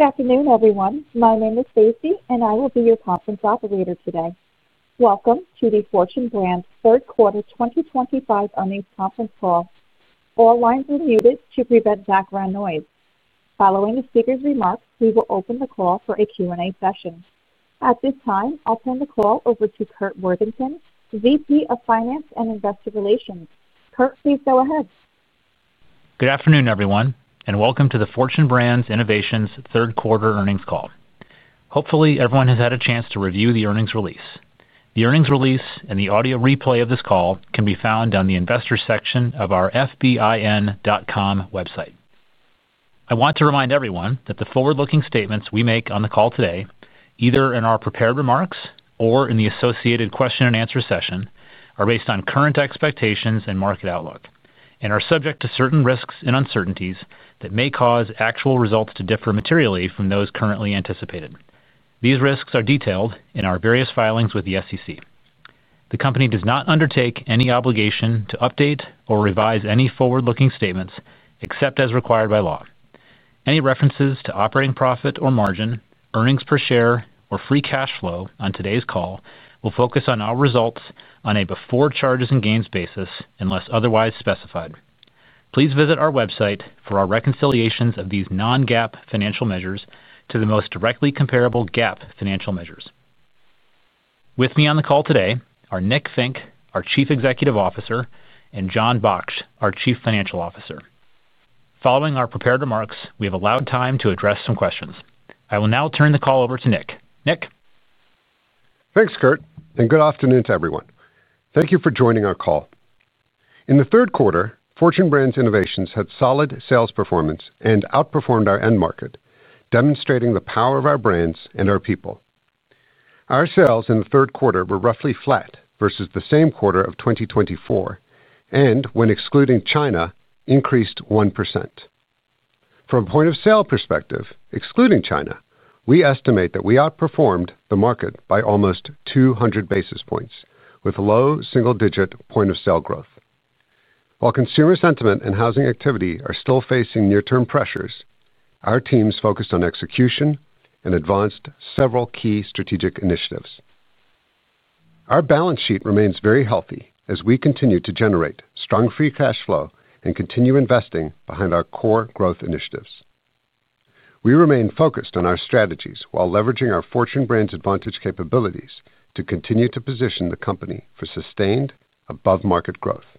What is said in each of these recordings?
Good afternoon, everyone. My name is Stacey, and I will be your conference operator today. Welcome to the Fortune Brands' Third Quarter 2025 Earnings Conference Call. All lines are muted to prevent background noise. Following the speaker's remarks, we will open the call for a Q&A session. At this time, I'll turn the call over to Curt Worthington, VP of Finance and Investor Relations. Curt, please go ahead. Good afternoon, everyone, and welcome to the Fortune Brands Innovations Third Quarter Earnings Call. Hopefully, everyone has had a chance to review the earnings release. The earnings release and the audio replay of this call can be found down the investor section of our fbin.com website. I want to remind everyone that the forward-looking statements we make on the call today, either in our prepared remarks or in the associated question and answer session, are based on current expectations and market outlook, and are subject to certain risks and uncertainties that may cause actual results to differ materially from those currently anticipated. These risks are detailed in our various filings with the SEC. The company does not undertake any obligation to update or revise any forward-looking statements except as required by law. Any references to operating profit or margin, earnings per share, or free cash flow on today's call will focus on our results on a before charges and gains basis unless otherwise specified. Please visit our website for our reconciliations of these non-GAAP financial measures to the most directly comparable GAAP financial measures. With me on the call today are Nick Fink, our Chief Executive Officer, and Jon Baksht, our Chief Financial Officer. Following our prepared remarks, we have allowed time to address some questions. I will now turn the call over to Nick. Nick? Thanks, Curt, and good afternoon to everyone. Thank you for joining our call. In the third quarter, Fortune Brands Innovations had solid sales performance and outperformed our end market, demonstrating the power of our brands and our people. Our sales in the third quarter were roughly flat versus the same quarter of 2024, and when excluding China, increased 1%. From a point of sale perspective, excluding China, we estimate that we outperformed the market by almost 200 basis points, with low single-digit point of sale growth. While consumer sentiment and housing activity are still facing near-term pressures, our teams focused on execution and advanced several key strategic initiatives. Our balance sheet remains very healthy as we continue to generate strong free cash flow and continue investing behind our core growth initiatives. We remain focused on our strategies while leveraging our Fortune Brands advantage capabilities to continue to position the company for sustained above-market growth.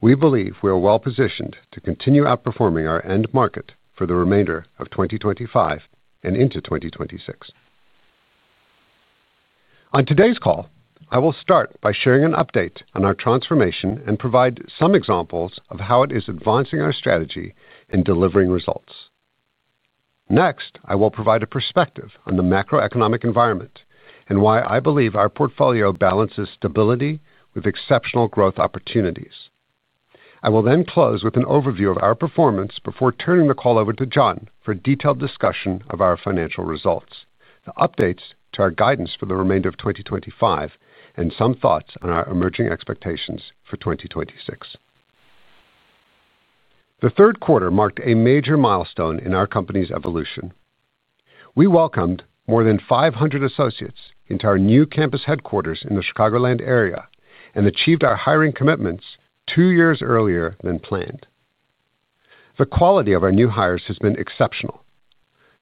We believe we are well-positioned to continue outperforming our end market for the remainder of 2025 and into 2026. On today's call, I will start by sharing an update on our transformation and provide some examples of how it is advancing our strategy and delivering results. Next, I will provide a perspective on the macroeconomic environment and why I believe our portfolio balances stability with exceptional growth opportunities. I will then close with an overview of our performance before turning the call over to Jon for a detailed discussion of our financial results, the updates to our guidance for the remainder of 2025, and some thoughts on our emerging expectations for 2026. The third quarter marked a major milestone in our company's evolution. We welcomed more than 500 associates into our new campus headquarters in the Chicago land area and achieved our hiring commitments two years earlier than planned. The quality of our new hires has been exceptional.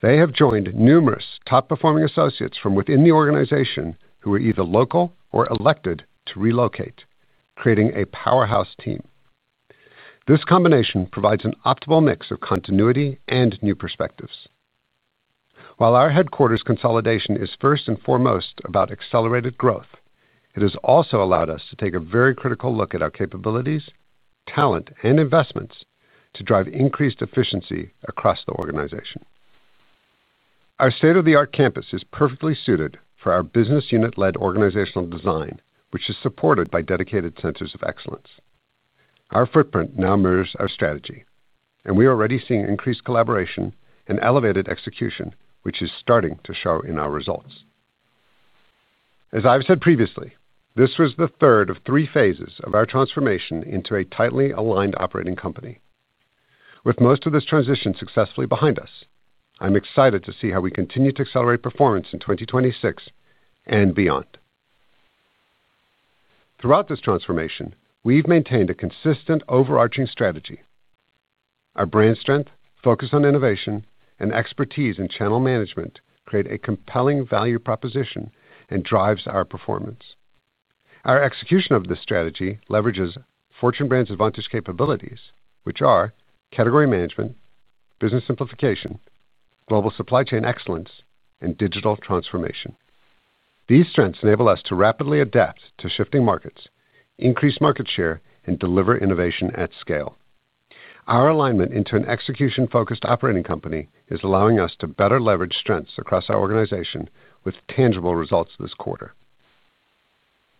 They have joined numerous top-performing associates from within the organization who are either local or elected to relocate, creating a powerhouse team. This combination provides an optimal mix of continuity and new perspectives. While our headquarters consolidation is first and foremost about accelerated growth, it has also allowed us to take a very critical look at our capabilities, talent, and investments to drive increased efficiency across the organization. Our state-of-the-art campus is perfectly suited for our business unit-led organizational design, which is supported by dedicated centers of excellence. Our footprint now mirrors our strategy, and we are already seeing increased collaboration and elevated execution, which is starting to show in our results. As I've said previously, this was the third of three phases of our transformation into a tightly aligned operating company. With most of this transition successfully behind us, I'm excited to see how we continue to accelerate performance in 2026 and beyond. Throughout this transformation, we've maintained a consistent overarching strategy. Our brand strength, focus on innovation, and expertise in channel management create a compelling value proposition and drive our performance. Our execution of this strategy leverages Fortune Brands advantage capabilities, which are category management, business simplification, global supply chain excellence, and digital transformation. These strengths enable us to rapidly adapt to shifting markets, increase market share, and deliver innovation at scale. Our alignment into an execution-focused operating company is allowing us to better leverage strengths across our organization with tangible results this quarter.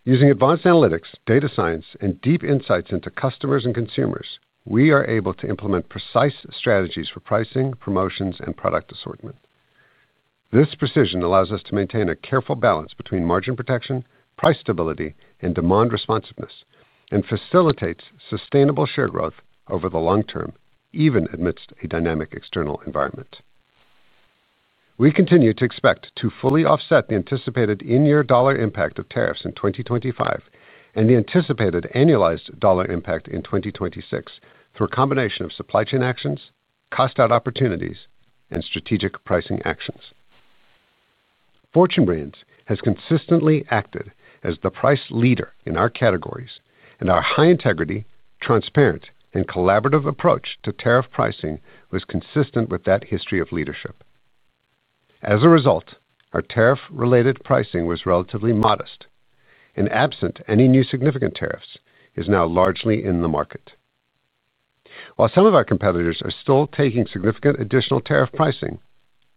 Using advanced analytics, data science, and deep insights into customers and consumers, we are able to implement precise strategies for pricing, promotions, and product assortment. This precision allows us to maintain a careful balance between margin protection, price stability, and demand responsiveness, and facilitates sustainable share growth over the long term, even amidst a dynamic external environment. We continue to expect to fully offset the anticipated in-year dollar impact of tariffs in 2025 and the anticipated annualized dollar impact in 2026 through a combination of supply chain actions, cost-out opportunities, and strategic pricing actions. Fortune Brands Innovations has consistently acted as the price leader in our categories, and our high integrity, transparent, and collaborative approach to tariff pricing was consistent with that history of leadership. As a result, our tariff-related pricing was relatively modest, and absent any new significant tariffs, is now largely in the market. While some of our competitors are still taking significant additional tariff pricing,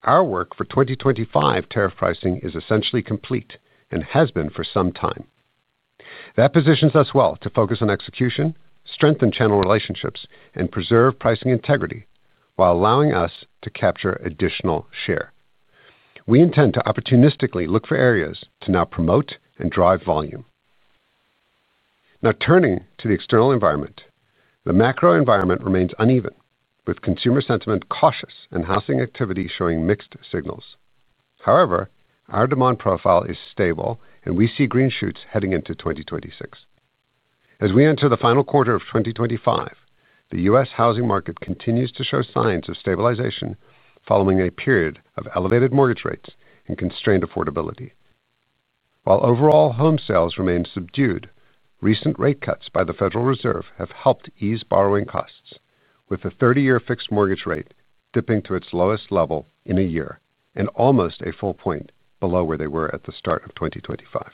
our work for 2025 tariff pricing is essentially complete and has been for some time. That positions us well to focus on execution, strengthen channel relationships, and preserve pricing integrity while allowing us to capture additional share. We intend to opportunistically look for areas to now promote and drive volume. Now turning to the external environment, the macro environment remains uneven, with consumer sentiment cautious and housing activity showing mixed signals. However, our demand profile is stable, and we see green shoots heading into 2026. As we enter the final quarter of 2025, the U.S. housing market continues to show signs of stabilization following a period of elevated mortgage rates and constrained affordability. While overall home sales remain subdued, recent rate cuts by the Federal Reserve have helped ease borrowing costs, with the 30-year fixed mortgage rate dipping to its lowest level in a year and almost a full point below where they were at the start of 2025.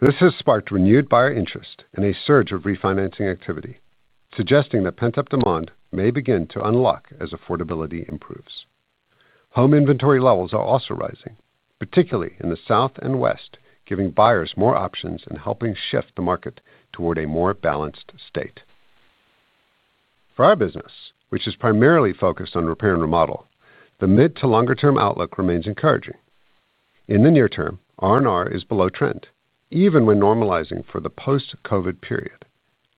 This has sparked renewed buyer interest and a surge of refinancing activity, suggesting that pent-up demand may begin to unlock as affordability improves. Home inventory levels are also rising, particularly in the South and West, giving buyers more options and helping shift the market toward a more balanced state. For our business, which is primarily focused on repair and remodel, the mid to longer-term outlook remains encouraging. In the near term, R&R is below trend, even when normalizing for the post-COVID period.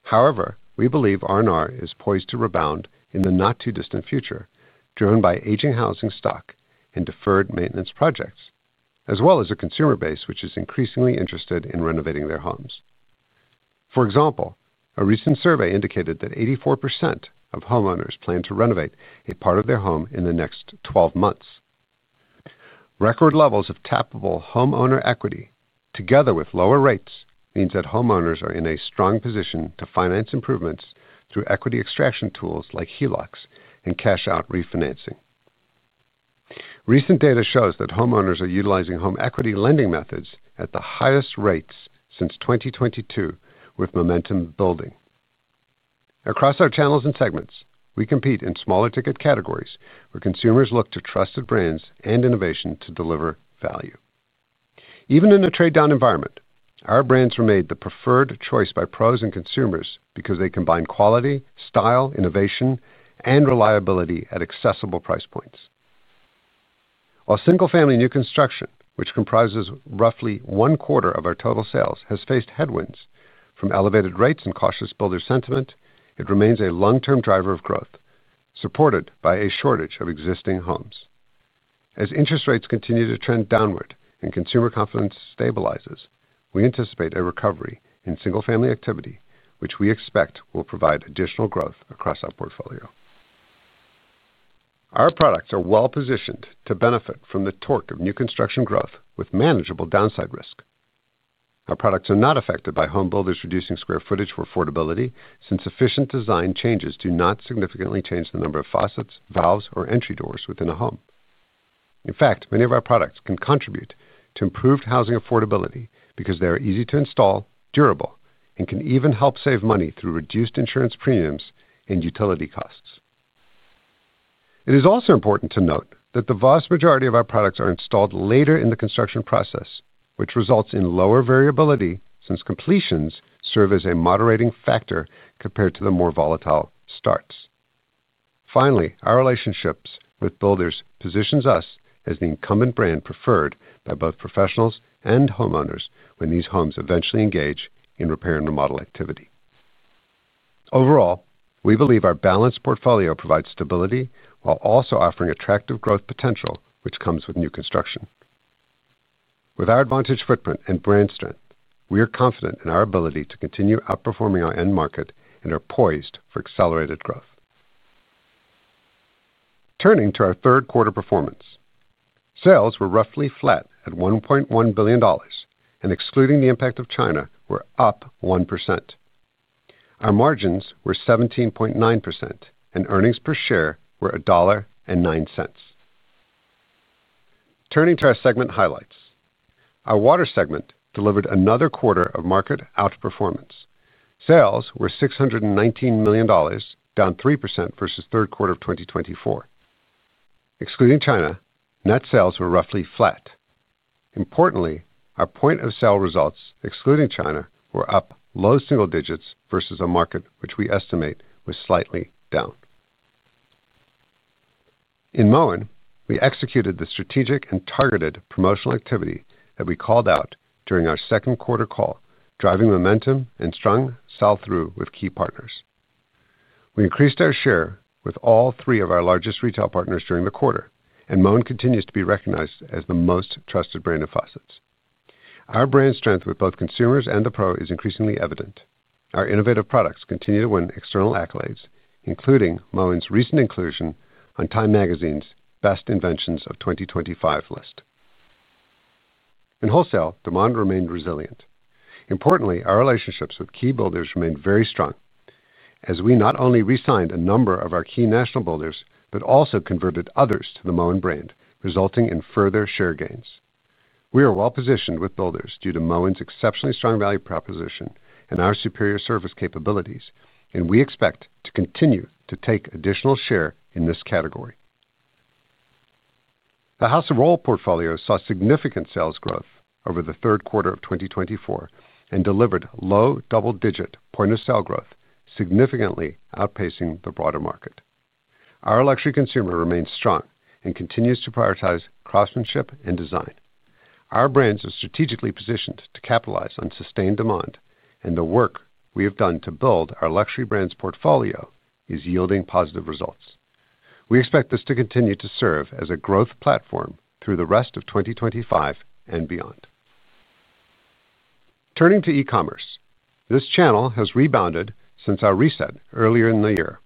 However, we believe R&R is poised to rebound in the not-too-distant future, driven by aging housing stock and deferred maintenance projects, as well as a consumer base which is increasingly interested in renovating their homes. For example, a recent survey indicated that 84% of homeowners plan to renovate a part of their home in the next 12 months. Record levels of tappable homeowner equity, together with lower rates, mean that homeowners are in a strong position to finance improvements through equity extraction tools like HELOCs and cash-out refinancing. Recent data shows that homeowners are utilizing home equity lending methods at the highest rates since 2022, with momentum building. Across our channels and segments, we compete in smaller-ticket categories where consumers look to trusted brands and innovation to deliver value. Even in a trade-down environment, our brands remain the preferred choice by pros and consumers because they combine quality, style, innovation, and reliability at accessible price points. While single-family new construction, which comprises roughly one quarter of our total sales, has faced headwinds from elevated rates and cautious builder sentiment, it remains a long-term driver of growth, supported by a shortage of existing homes. As interest rates continue to trend downward and consumer confidence stabilizes, we anticipate a recovery in single-family activity, which we expect will provide additional growth across our portfolio. Our products are well-positioned to benefit from the torque of new construction growth with manageable downside risk. Our products are not affected by home builders reducing square footage for affordability since efficient design changes do not significantly change the number of faucets, valves, or entry doors within a home. In fact, many of our products can contribute to improved housing affordability because they are easy to install, durable, and can even help save money through reduced insurance premiums and utility costs. It is also important to note that the vast majority of our products are installed later in the construction process, which results in lower variability since completions serve as a moderating factor compared to the more volatile starts. Finally, our relationships with builders position us as the incumbent brand preferred by both professionals and homeowners when these homes eventually engage in repair and remodel activity. Overall, we believe our balanced portfolio provides stability while also offering attractive growth potential, which comes with new construction. With our advantage footprint and brand strength, we are confident in our ability to continue outperforming our end market and are poised for accelerated growth. Turning to our third quarter performance, sales were roughly flat at $1.1 billion, and excluding the impact of China, were up 1%. Our margins were 17.9%, and earnings per share were $1.09. Turning to our segment highlights, our water segment delivered another quarter of market outperformance. Sales were $619 million, down 3% versus third quarter of 2024. Excluding China, net sales were roughly flat. Importantly, our point of sale results, excluding China, were up low single digits versus a market which we estimate was slightly down. In Moen, we executed the strategic and targeted promotional activity that we called out during our second quarter call, driving momentum and strong sell-through with key partners. We increased our share with all three of our largest retail partners during the quarter, and Moen continues to be recognized as the most trusted brand of faucets. Our brand strength with both consumers and the pro is increasingly evident. Our innovative products continue to win external accolades, including Moen's recent inclusion on Time Magazine's Best Inventions of 2025 list. In wholesale, demand remained resilient. Importantly, our relationships with key builders remained very strong as we not only re-signed a number of our key national builders but also converted others to the Moen brand, resulting in further share gains. We are well-positioned with builders due to Moen's exceptionally strong value proposition and our superior service capabilities, and we expect to continue to take additional share in this category. The House of Rohl portfolio saw significant sales growth over the third quarter of 2024 and delivered low double-digit point of sale growth, significantly outpacing the broader market. Our luxury consumer remains strong and continues to prioritize craftsmanship and design. Our brands are strategically positioned to capitalize on sustained demand, and the work we have done to build our luxury brands portfolio is yielding positive results. We expect this to continue to serve as a growth platform through the rest of 2025 and beyond. Turning to e-commerce, this channel has rebounded since our reset earlier in the year.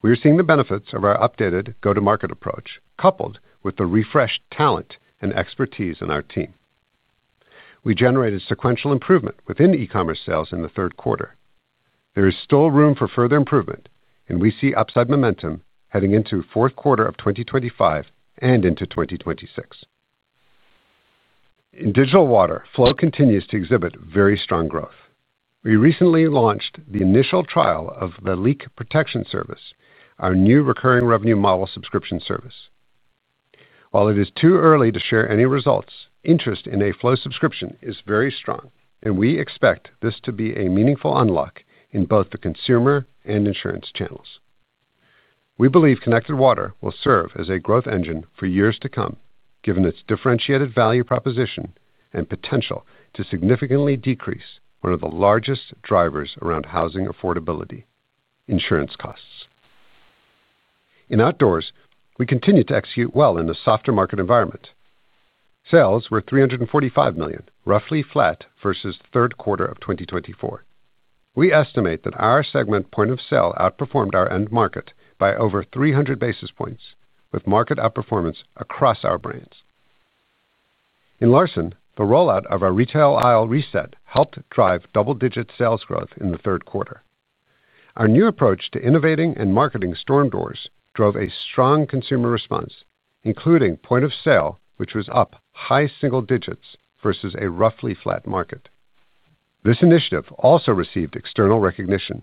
We are seeing the benefits of our updated go-to-market approach coupled with the refreshed talent and expertise in our team. We generated sequential improvement within e-commerce sales in the third quarter. There is still room for further improvement, and we see upside momentum heading into fourth quarter of 2025 and into 2026. In Digital Water, Flow continues to exhibit very strong growth. We recently launched the initial trial of the Flow’s leak protection service, our new recurring revenue model subscription service. While it is too early to share any results, interest in a Flow subscription is very strong, and we expect this to be a meaningful unlock in both the consumer and insurance channels. We believe Connected Water will serve as a growth engine for years to come, given its differentiated value proposition and potential to significantly decrease one of the largest drivers around housing affordability: insurance costs. In Outdoors, we continue to execute well in the softer market environment. Sales were $345 million, roughly flat versus third quarter of 2024. We estimate that our segment point of sale outperformed our end market by over 300 basis points, with market outperformance across our brands. In LARSON, the rollout of our retail aisle reset helped drive double-digit sales growth in the third quarter. Our new approach to innovating and marketing storm doors drove a strong consumer response, including point of sale, which was up high single digits versus a roughly flat market. This initiative also received external recognition.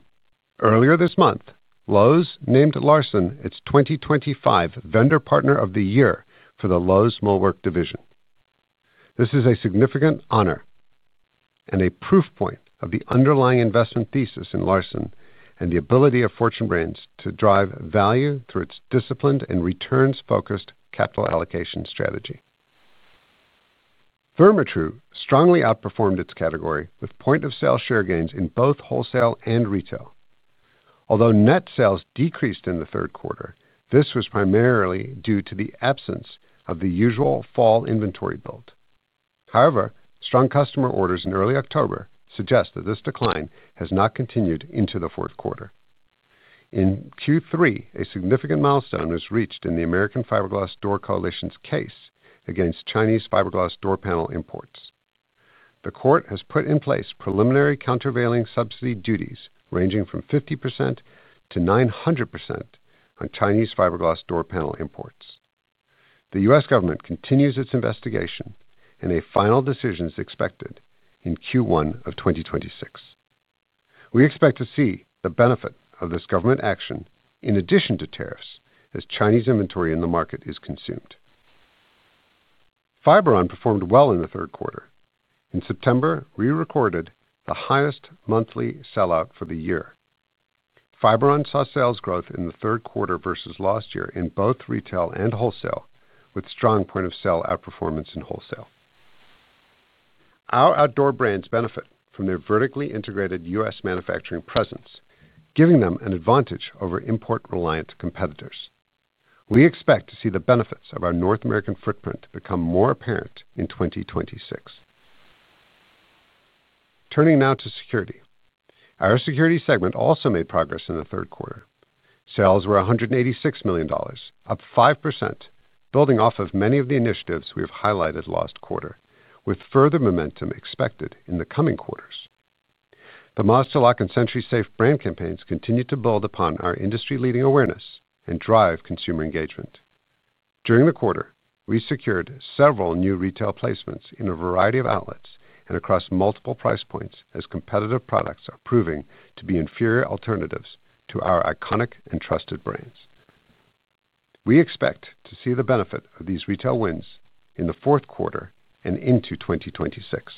Earlier this month, Lowe's named LARSON its 2025 Vendor Partner of the Year for the Lowe's Millwork division. This is a significant honor and a proof point of the underlying investment thesis in LARSON and the ability of Fortune Brands Innovations to drive value through its disciplined and returns-focused capital allocation strategy. Therma-Tru strongly outperformed its category with point of sale share gains in both wholesale and retail. Although net sales decreased in the third quarter, this was primarily due to the absence of the usual fall inventory build. However, strong customer orders in early October suggest that this decline has not continued into the fourth quarter. In Q3, a significant milestone was reached in the American fiberglass door coalition’s case against Chinese fiberglass door panel imports. The court has put in place preliminary countervailing subsidy duties ranging from 50%-900% on Chinese fiberglass door panel imports. The U.S. government continues its investigation, and a final decision is expected in Q1 of 2026. We expect to see the benefit of this government action in addition to tariffs as Chinese inventory in the market is consumed. Fiberon performed well in the third quarter. In September, we recorded the highest monthly sell-out for the year. Fiberon saw sales growth in the third quarter versus last year in both retail and wholesale, with strong point of sale outperformance in wholesale. Our Outdoor brands benefit from their vertically integrated U.S. manufacturing presence, giving them an advantage over import-reliant competitors. We expect to see the benefits of our North American footprint become more apparent in 2026. Turning now to security, our security segment also made progress in the third quarter. Sales were $186 million, up 5%, building off of many of the initiatives we have highlighted last quarter, with further momentum expected in the coming quarters. The Master Lock and SentrySafe brand campaigns continue to build upon our industry-leading awareness and drive consumer engagement. During the quarter, we secured several new retail placements in a variety of outlets and across multiple price points as competitive products are proving to be inferior alternatives to our iconic and trusted brands. We expect to see the benefit of these retail wins in the fourth quarter and into 2026.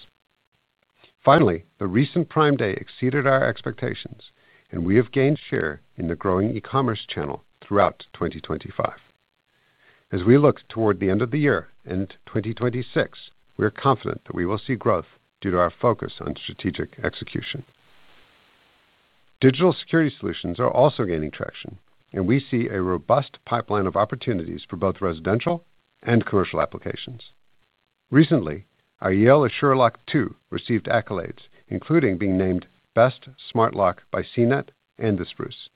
Finally, the recent Prime Day exceeded our expectations, and we have gained share in the growing e-commerce channel throughout 2025. As we look toward the end of the year and 2026, we are confident that we will see growth due to our focus on strategic execution. Digital security solutions are also gaining traction, and we see a robust pipeline of opportunities for both residential and commercial applications. Recently, our Yale Assure Lock 2 received accolades, including being named Best Smart Lock by CNET and the Spruce.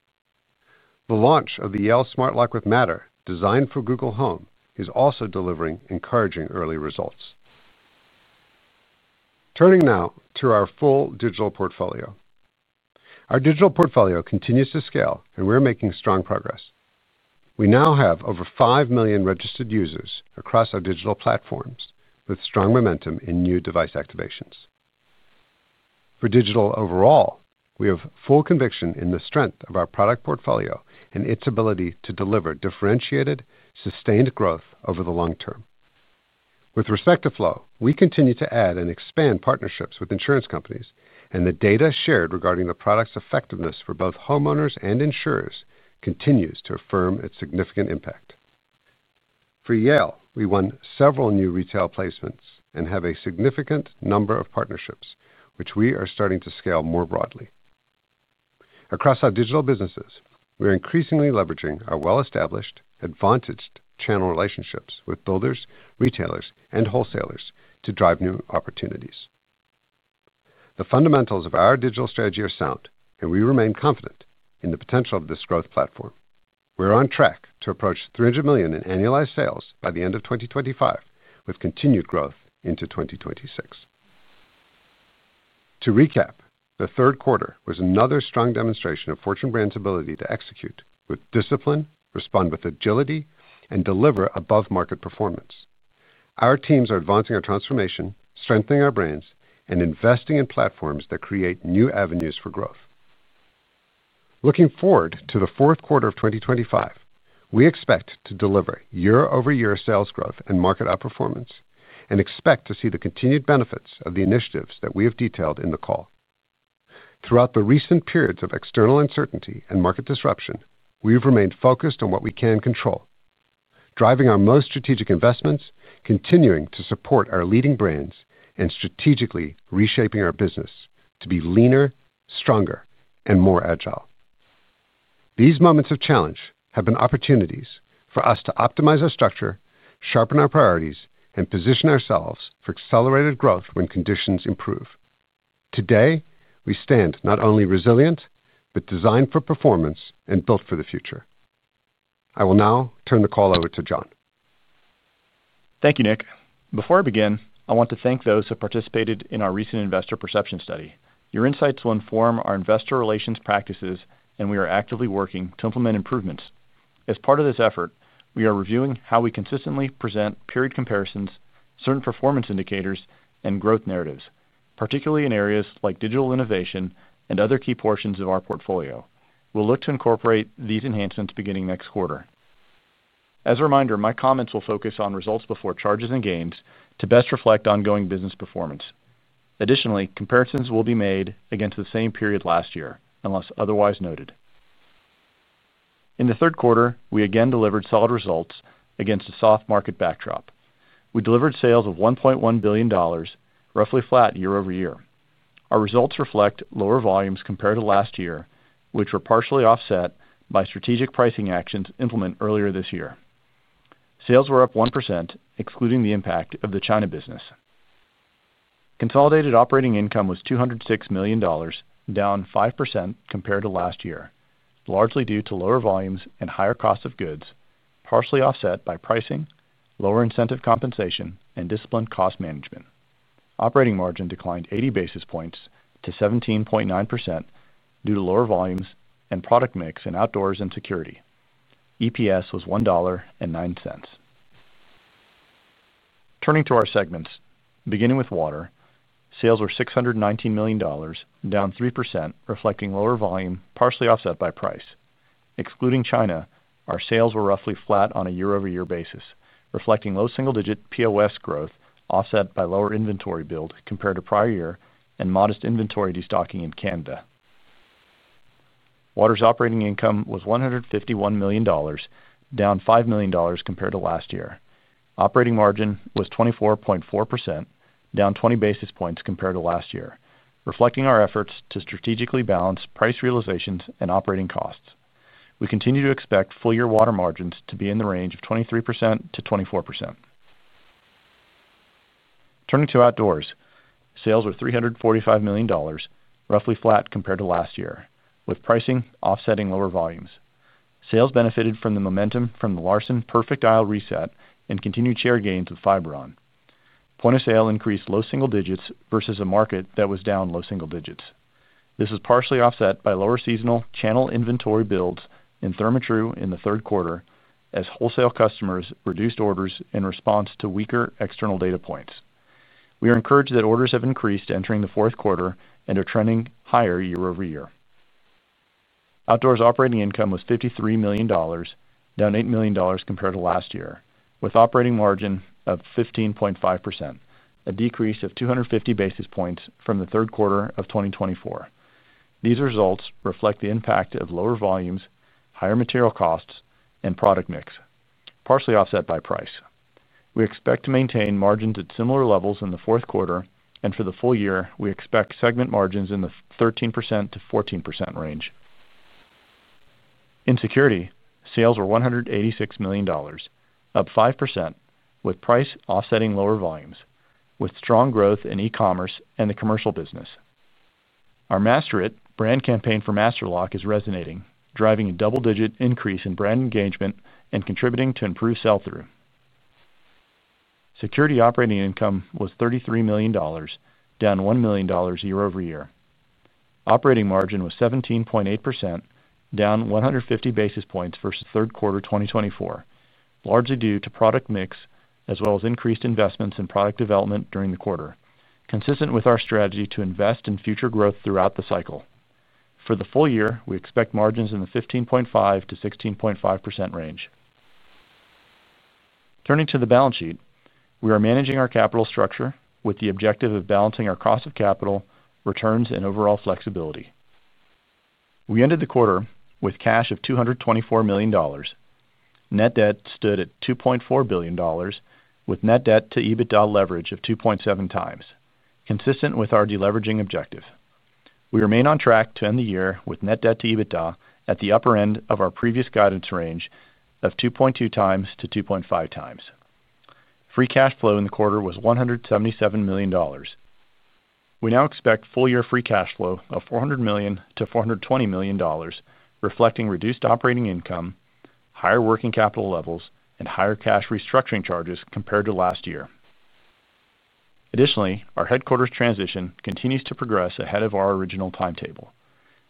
The launch of the Yale Smart Lock with Matter, designed for Google Home, is also delivering encouraging early results. Turning now to our full digital portfolio. Our digital portfolio continues to scale, and we're making strong progress. We now have over 5 million registered users across our digital platforms, with strong momentum in new device activations. For digital overall, we have full conviction in the strength of our product portfolio and its ability to deliver differentiated, sustained growth over the long term. With respect to Flow, we continue to add and expand partnerships with insurance companies, and the data shared regarding the product's effectiveness for both homeowners and insurers continues to affirm its significant impact. For Yale, we won several new retail placements and have a significant number of partnerships, which we are starting to scale more broadly. Across our digital businesses, we are increasingly leveraging our well-established, advantaged channel relationships with builders, retailers, and wholesalers to drive new opportunities. The fundamentals of our digital strategy are sound, and we remain confident in the potential of this growth platform. We're on track to approach $300 million in annualized sales by the end of 2025, with continued growth into 2026. To recap, the third quarter was another strong demonstration of Fortune Brands' ability to execute with discipline, respond with agility, and deliver above-market performance. Our teams are advancing our transformation, strengthening our brands, and investing in platforms that create new avenues for growth. Looking forward to the fourth quarter of 2025, we expect to deliver year-over-year sales growth and market outperformance and expect to see the continued benefits of the initiatives that we have detailed in the call. Throughout the recent periods of external uncertainty and market disruption, we have remained focused on what we can control, driving our most strategic investments, continuing to support our leading brands, and strategically reshaping our business to be leaner, stronger, and more agile. These moments of challenge have been opportunities for us to optimize our structure, sharpen our priorities, and position ourselves for accelerated growth when conditions improve. Today, we stand not only resilient but designed for performance and built for the future. I will now turn the call over to Jon. Thank you, Nick. Before I begin, I want to thank those who participated in our recent investor perception study. Your insights will inform our investor relations practices, and we are actively working to implement improvements. As part of this effort, we are reviewing how we consistently present period comparisons, certain performance indicators, and growth narratives, particularly in areas like digital innovation and other key portions of our portfolio. We'll look to incorporate these enhancements beginning next quarter. As a reminder, my comments will focus on results before charges and gains to best reflect ongoing business performance. Additionally, comparisons will be made against the same period last year, unless otherwise noted. In the third quarter, we again delivered solid results against a soft market backdrop. We delivered sales of $1.1 billion, roughly flat year-over-year. Our results reflect lower volumes compared to last year, which were partially offset by strategic pricing actions implemented earlier this year. Sales were up 1%, excluding the impact of the China business. Consolidated operating income was $206 million, down 5% compared to last year, largely due to lower volumes and higher cost of goods, partially offset by pricing, lower incentive compensation, and disciplined cost management. Operating margin declined 80 basis points to 17.9% due to lower volumes and product mix in Outdoors and Security. EPS was $1.09. Turning to our segments, beginning with water, sales were $619 million, down 3%, reflecting lower volume, partially offset by price. Excluding China, our sales were roughly flat on a year-over-year basis, reflecting low single-digit POS growth offset by lower inventory build compared to prior year and modest inventory destocking in Canada. Water's operating income was $151 million, down $5 million compared to last year. Operating margin was 24.4%, down 20 basis points compared to last year, reflecting our efforts to strategically balance price realizations and operating costs. We continue to expect full-year water margins to be in the range of 23%-24%. Turning to Outdoors, sales were $345 million, roughly flat compared to last year, with pricing offsetting lower volumes. Sales benefited from the momentum from the LARSON perfect aisle reset and continued share gains with Fiberon. Point of sale increased low single digits versus a market that was down low single digits. This was partially offset by lower seasonal channel inventory builds in Therma-Tru in the third quarter as wholesale customers reduced orders in response to weaker external data points. We are encouraged that orders have increased entering the fourth quarter and are trending higher year-over-year. Outdoors operating income was $53 million, down $8 million compared to last year, with operating margin of 15.5%, a decrease of 250 basis points from the third quarter of 2024. These results reflect the impact of lower volumes, higher material costs, and product mix, partially offset by price. We expect to maintain margins at similar levels in the fourth quarter, and for the full year, we expect segment margins in the 13%-14% range. In Security, sales were $186 million, up 5%, with price offsetting lower volumes, with strong growth in e-commerce and the commercial business. Our Master It brand campaign for Master Lock is resonating, driving a double-digit increase in brand engagement and contributing to improved sell-through. Security operating income was $33 million, down $1 million year-over-year. Operating margin was 17.8%, down 150 basis points versus third quarter 2024, largely due to product mix as well as increased investments in product development during the quarter, consistent with our strategy to invest in future growth throughout the cycle. For the full year, we expect margins in the 15.5%-16.5% range. Turning to the balance sheet, we are managing our capital structure with the objective of balancing our cost of capital, returns, and overall flexibility. We ended the quarter with cash of $224 million. Net debt stood at $2.4 billion, with net debt to EBITDA leverage of 2.7x, consistent with our deleveraging objective. We remain on track to end the year with net debt to EBITDA at the upper end of our previous guidance range of 2.2x-2.5x. Free cash flow in the quarter was $177 million. We now expect full-year free cash flow of $400 million-$420 million, reflecting reduced operating income, higher working capital levels, and higher cash restructuring charges compared to last year. Additionally, our headquarters transition continues to progress ahead of our original timetable.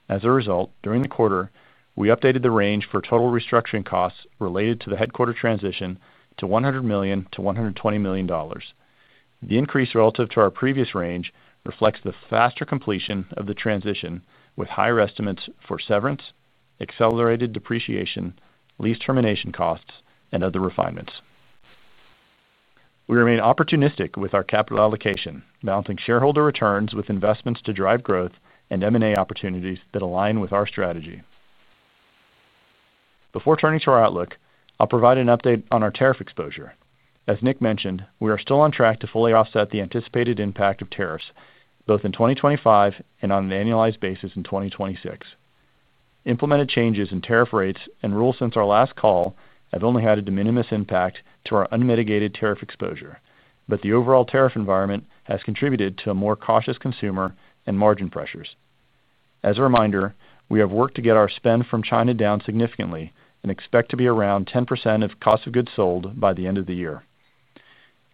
As a result, during the quarter, we updated the range for total restructuring costs related to the headquarters transition to $100 million-$120 million. The increase relative to our previous range reflects the faster completion of the transition, with higher estimates for severance, accelerated depreciation, lease termination costs, and other refinements. We remain opportunistic with our capital allocation, balancing shareholder returns with investments to drive growth and M&A opportunities that align with our strategy. Before turning to our outlook, I'll provide an update on our tariff exposure. As Nick mentioned, we are still on track to fully offset the anticipated impact of tariffs, both in 2025 and on an annualized basis in 2026. Implemented changes in tariff rates and rules since our last call have only had a de minimis impact to our unmitigated tariff exposure, but the overall tariff environment has contributed to a more cautious consumer and margin pressures. As a reminder, we have worked to get our spend from China down significantly and expect to be around 10% of cost of goods sold by the end of the year.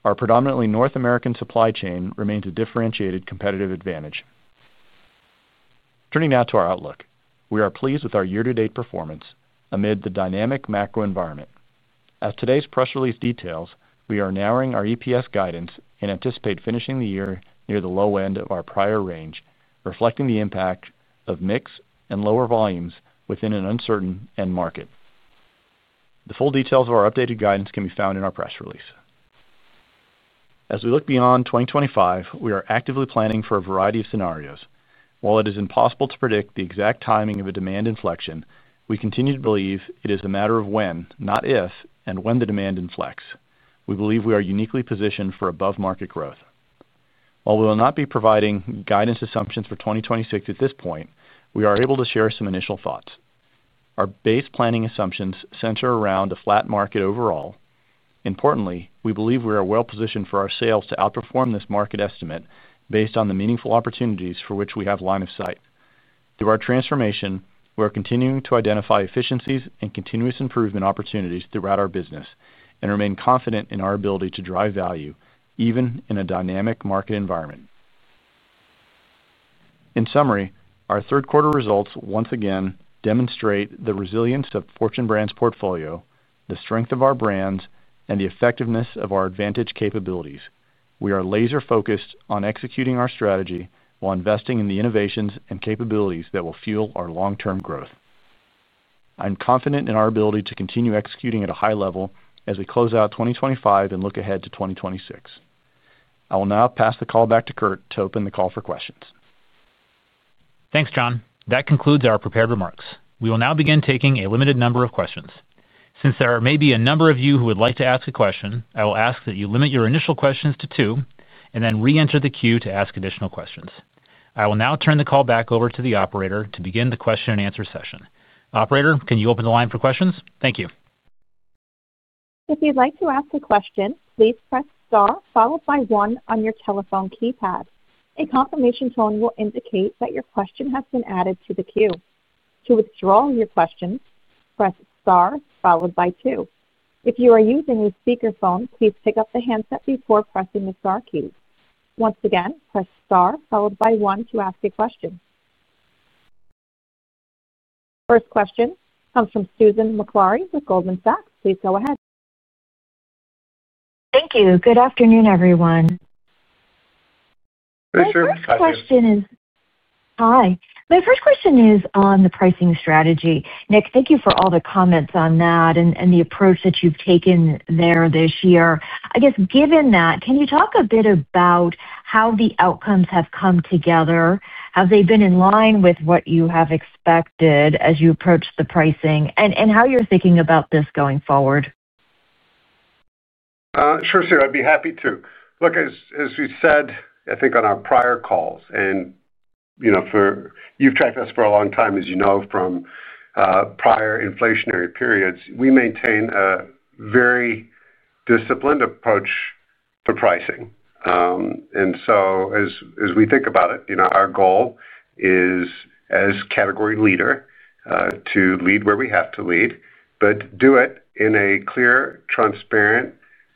Our predominantly North American supply chain remains a differentiated competitive advantage. Turning now to our outlook, we are pleased with our year-to-date performance amid the dynamic macro environment. As today's press release details, we are narrowing our EPS guidance and anticipate finishing the year near the low end of our prior range, reflecting the impact of mix and lower volumes within an uncertain end market. The full details of our updated guidance can be found in our press release. As we look beyond 2025, we are actively planning for a variety of scenarios. While it is impossible to predict the exact timing of a demand inflection, we continue to believe it is a matter of when, not if, and when the demand inflects. We believe we are uniquely positioned for above-market growth. While we will not be providing guidance assumptions for 2026 at this point, we are able to share some initial thoughts. Our base planning assumptions center around a flat market overall. Importantly, we believe we are well-positioned for our sales to outperform this market estimate based on the meaningful opportunities for which we have line of sight. Through our transformation, we are continuing to identify efficiencies and continuous improvement opportunities throughout our business and remain confident in our ability to drive value, even in a dynamic market environment. In summary, our third-quarter results once again demonstrate the resilience of Fortune Brands' portfolio, the strength of our brands, and the effectiveness of our advantage capabilities. We are laser-focused on executing our strategy while investing in the innovations and capabilities that will fuel our long-term growth. I'm confident in our ability to continue executing at a high level as we close out 2025 and look ahead to 2026. I will now pass the call back to Curt to open the call for questions. Thanks, Jon. That concludes our prepared remarks. We will now begin taking a limited number of questions. Since there may be a number of you who would like to ask a question, I will ask that you limit your initial questions to two and then re-enter the queue to ask additional questions. I will now turn the call back over to the operator to begin the question-and-answer session. Operator, can you open the line for questions? Thank you. If you'd like to ask a question, please press star followed by one on your telephone keypad. A confirmation tone will indicate that your question has been added to the queue. To withdraw your question, press star followed by two. If you are using a speakerphone, please pick up the handset before pressing the star key. Once again, press star followed by one to ask a question. First question comes from Susan Maklari with Goldman Sachs. Please go ahead. Thank you. Good afternoon, everyone. First question is. Hi. My first question is on the pricing strategy. Nick, thank you for all the comments on that and the approach that you've taken there this year. I guess, given that, can you talk a bit about how the outcomes have come together? Have they been in line with what you have expected as you approach the pricing and how you're thinking about this going forward? Sure, sure. I'd be happy to. Look, as we said, I think, on our prior calls, you've tracked us for a long time, as you know, from prior inflationary periods, we maintain a very disciplined approach to pricing. As we think about it, our goal is, as category leader, to lead where we have to lead but do it in a clear, transparent,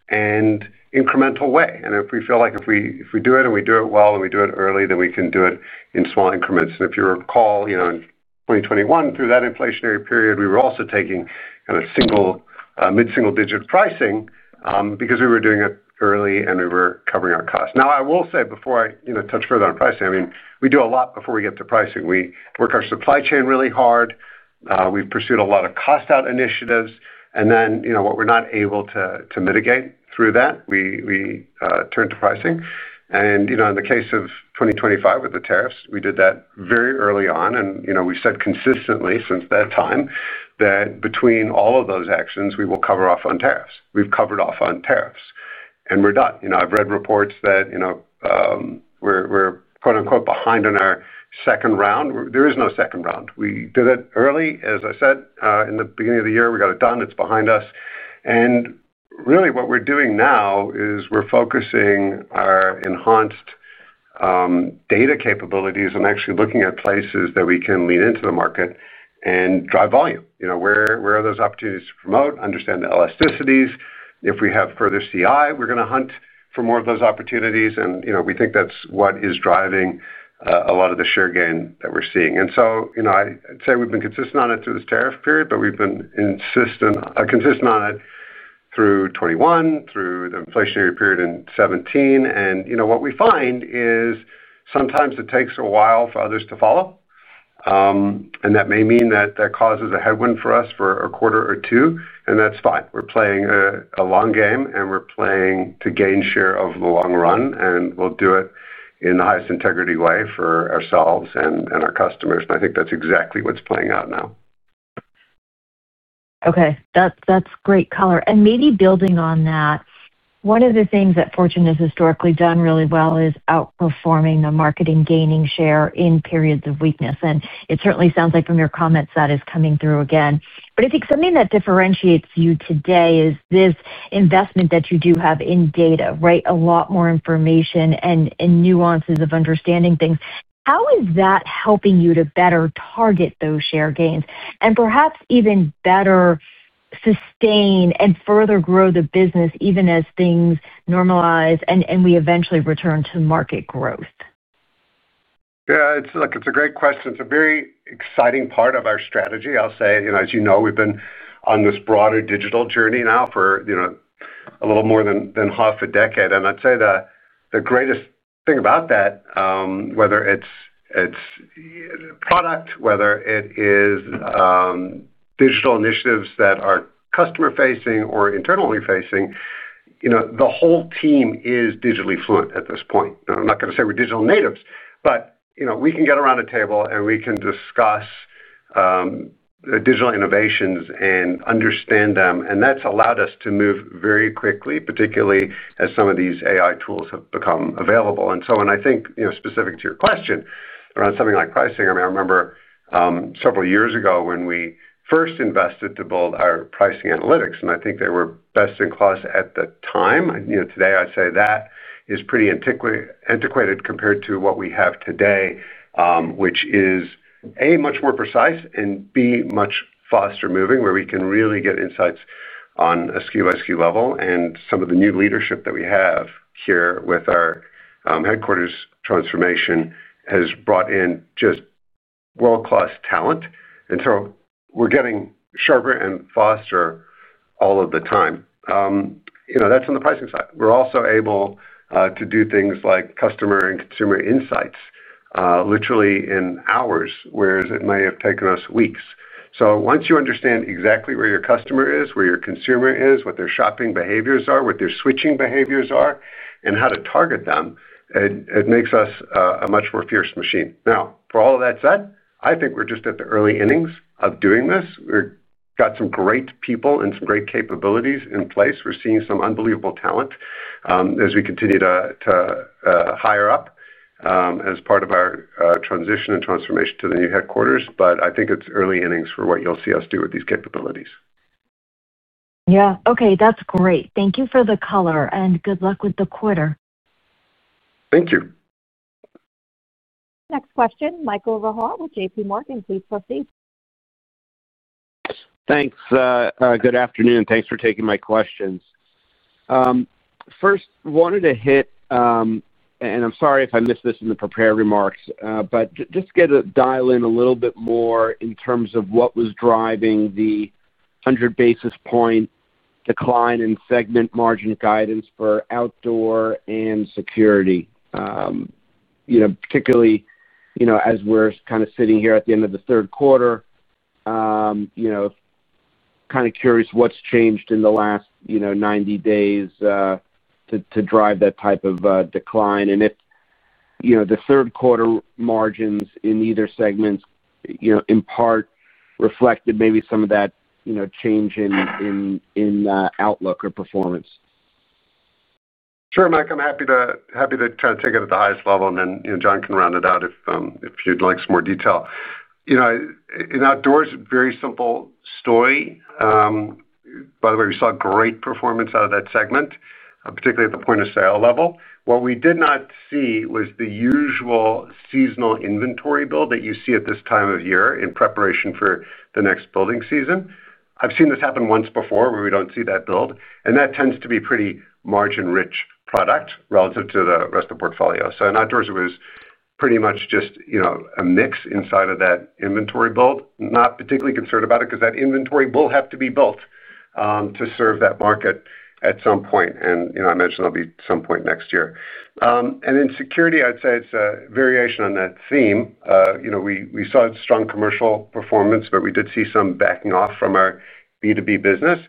and incremental way. If we feel like if we do it and we do it well and we do it early, then we can do it in small increments. If you recall, in 2021, through that inflationary period, we were also taking kind of mid-single-digit pricing because we were doing it early and we were covering our costs. Now, I will say, before I touch further on pricing, we do a lot before we get to pricing. We work our supply chain really hard. We've pursued a lot of cost-out initiatives. What we're not able to mitigate through that, we turn to pricing. In the case of 2025 with the tariffs, we did that very early on. We've said consistently since that time that, between all of those actions, we will cover off on tariffs. We've covered off on tariffs, and we're done. I've read reports that we're "behind" on our second round. There is no second round. We did it early. As I said in the beginning of the year, we got it done. It's behind us. Really, what we're doing now is we're focusing our enhanced data capabilities and actually looking at places that we can lean into the market and drive volume. Where are those opportunities to promote? Understand the elasticities. If we have further CI, we're going to hunt for more of those opportunities. We think that's what is driving a lot of the share gain that we're seeing. I'd say we've been consistent on it through this tariff period, but we've been consistent on it through 2021, through the inflationary period in 2017. What we find is sometimes it takes a while for others to follow. That may mean that that causes a headwind for us for a quarter or two, and that's fine. We're playing a long game, and we're playing to gain share of the long run, and we'll do it in the highest integrity way for ourselves and our customers. I think that's exactly what's playing out now. Okay. That's great color. Maybe building on that, one of the things that Fortune has historically done really well is outperforming the market and gaining share in periods of weakness. It certainly sounds like, from your comments, that is coming through again. I think something that differentiates you today is this investment that you do have in data, right? A lot more information and nuances of understanding things. How is that helping you to better target those share gains and perhaps even better sustain and further grow the business even as things normalize and we eventually return to market growth? Yeah. It's a great question. It's a very exciting part of our strategy. I'll say, as you know, we've been on this broader digital journey now for a little more than half a decade. I'd say the greatest thing about that, whether it's product, whether it is digital initiatives that are customer-facing or internally facing, the whole team is digitally fluent at this point. I'm not going to say we're digital natives, but we can get around a table and we can discuss digital innovations and understand them. That's allowed us to move very quickly, particularly as some of these AI tools have become available. When I think specific to your question around something like pricing, I remember several years ago when we first invested to build our pricing analytics, and I think they were best in class at the time. Today, I'd say that is pretty antiquated compared to what we have today, which is, A, much more precise and, B, much faster moving, where we can really get insights on a SKU-by-SKU level. Some of the new leadership that we have here with our headquarters transformation has brought in just world-class talent, so we're getting sharper and faster all of the time. That's on the pricing side. We're also able to do things like customer and consumer insights literally in hours, whereas it may have taken us weeks. Once you understand exactly where your customer is, where your consumer is, what their shopping behaviors are, what their switching behaviors are, and how to target them, it makes us a much more fierce machine. For all of that said, I think we're just at the early innings of doing this. We've got some great people and some great capabilities in place. We're seeing some unbelievable talent as we continue to hire up as part of our transition and transformation to the new headquarters. I think it's early innings for what you'll see us do with these capabilities. Yeah. Okay. That's great. Thank you for the color, and good luck with the quarter. Thank you. Next question, Michael Rehaut with JPMorgan. Please proceed. Thanks. Good afternoon. Thanks for taking my questions. First, wanted to hit. I'm sorry if I missed this in the prepared remarks, but just get a dial-in a little bit more in terms of what was driving the 100 basis point decline in segment margin guidance for Outdoor and Security. Particularly as we're kind of sitting here at the end of the third quarter. Kind of curious what's changed in the last 90 days to drive that type of decline. If the third-quarter margins in either segment in part reflected maybe some of that change in outlook or performance. Sure, Mike. I'm happy to try to take it at the highest level, and then Jon can round it out if you'd like some more detail. In Outdoors, very simple story. By the way, we saw great performance out of that segment, particularly at the point-of-sale level. What we did not see was the usual seasonal inventory build that you see at this time of year in preparation for the next building season. I've seen this happen once before where we don't see that build, and that tends to be a pretty margin-rich product relative to the rest of the portfolio. In Outdoors, it was pretty much just a mix inside of that inventory build. Not particularly concerned about it because that inventory will have to be built to serve that market at some point. I mentioned there'll be some point next year. In security, I'd say it's a variation on that theme. We saw strong commercial performance, but we did see some backing off from our B2B business.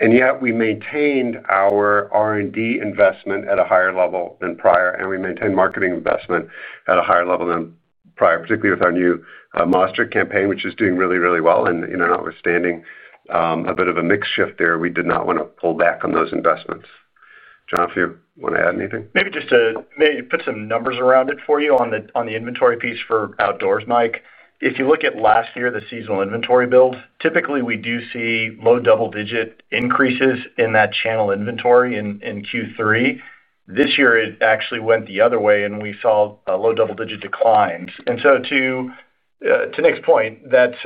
Yet, we maintained our R&D investment at a higher level than prior, and we maintained marketing investment at a higher level than prior, particularly with our new Monster campaign, which is doing really, really well. Notwithstanding a bit of a mixed shift there, we did not want to pull back on those investments. Jon, if you want to add anything. Maybe just to maybe put some numbers around it for you on the inventory piece for Outdoors, Mike. If you look at last year, the seasonal inventory build, typically, we do see low double-digit increases in that channel inventory in Q3. This year, it actually went the other way, and we saw a low double-digit decline. To Nick's point, that's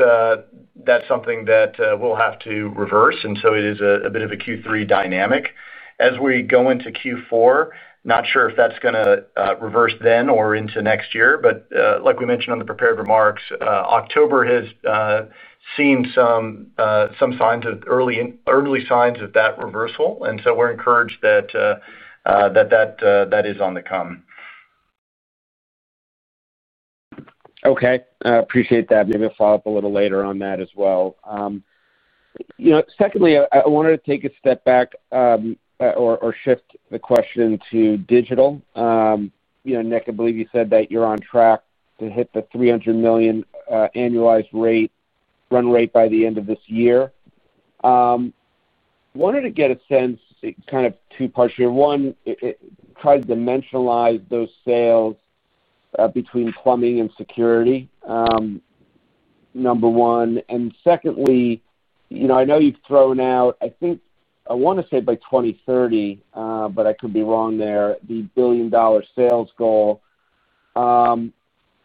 something that we'll have to reverse. It is a bit of a Q3 dynamic. As we go into Q4, not sure if that's going to reverse then or into next year. Like we mentioned on the prepared remarks, October has seen some signs of early signs of that reversal. We are encouraged that is on the come. Okay. Appreciate that. Maybe I'll follow up a little later on that as well. Secondly, I wanted to take a step back or shift the question to digital. Nick, I believe you said that you're on track to hit the $300 million annualized run rate by the end of this year. Wanted to get a sense, kind of two parts here. One, try to dimensionalize those sales between plumbing and security, number one. Secondly, I know you've thrown out, I think I want to say by 2030, but I could be wrong there, the billion-dollar sales goal.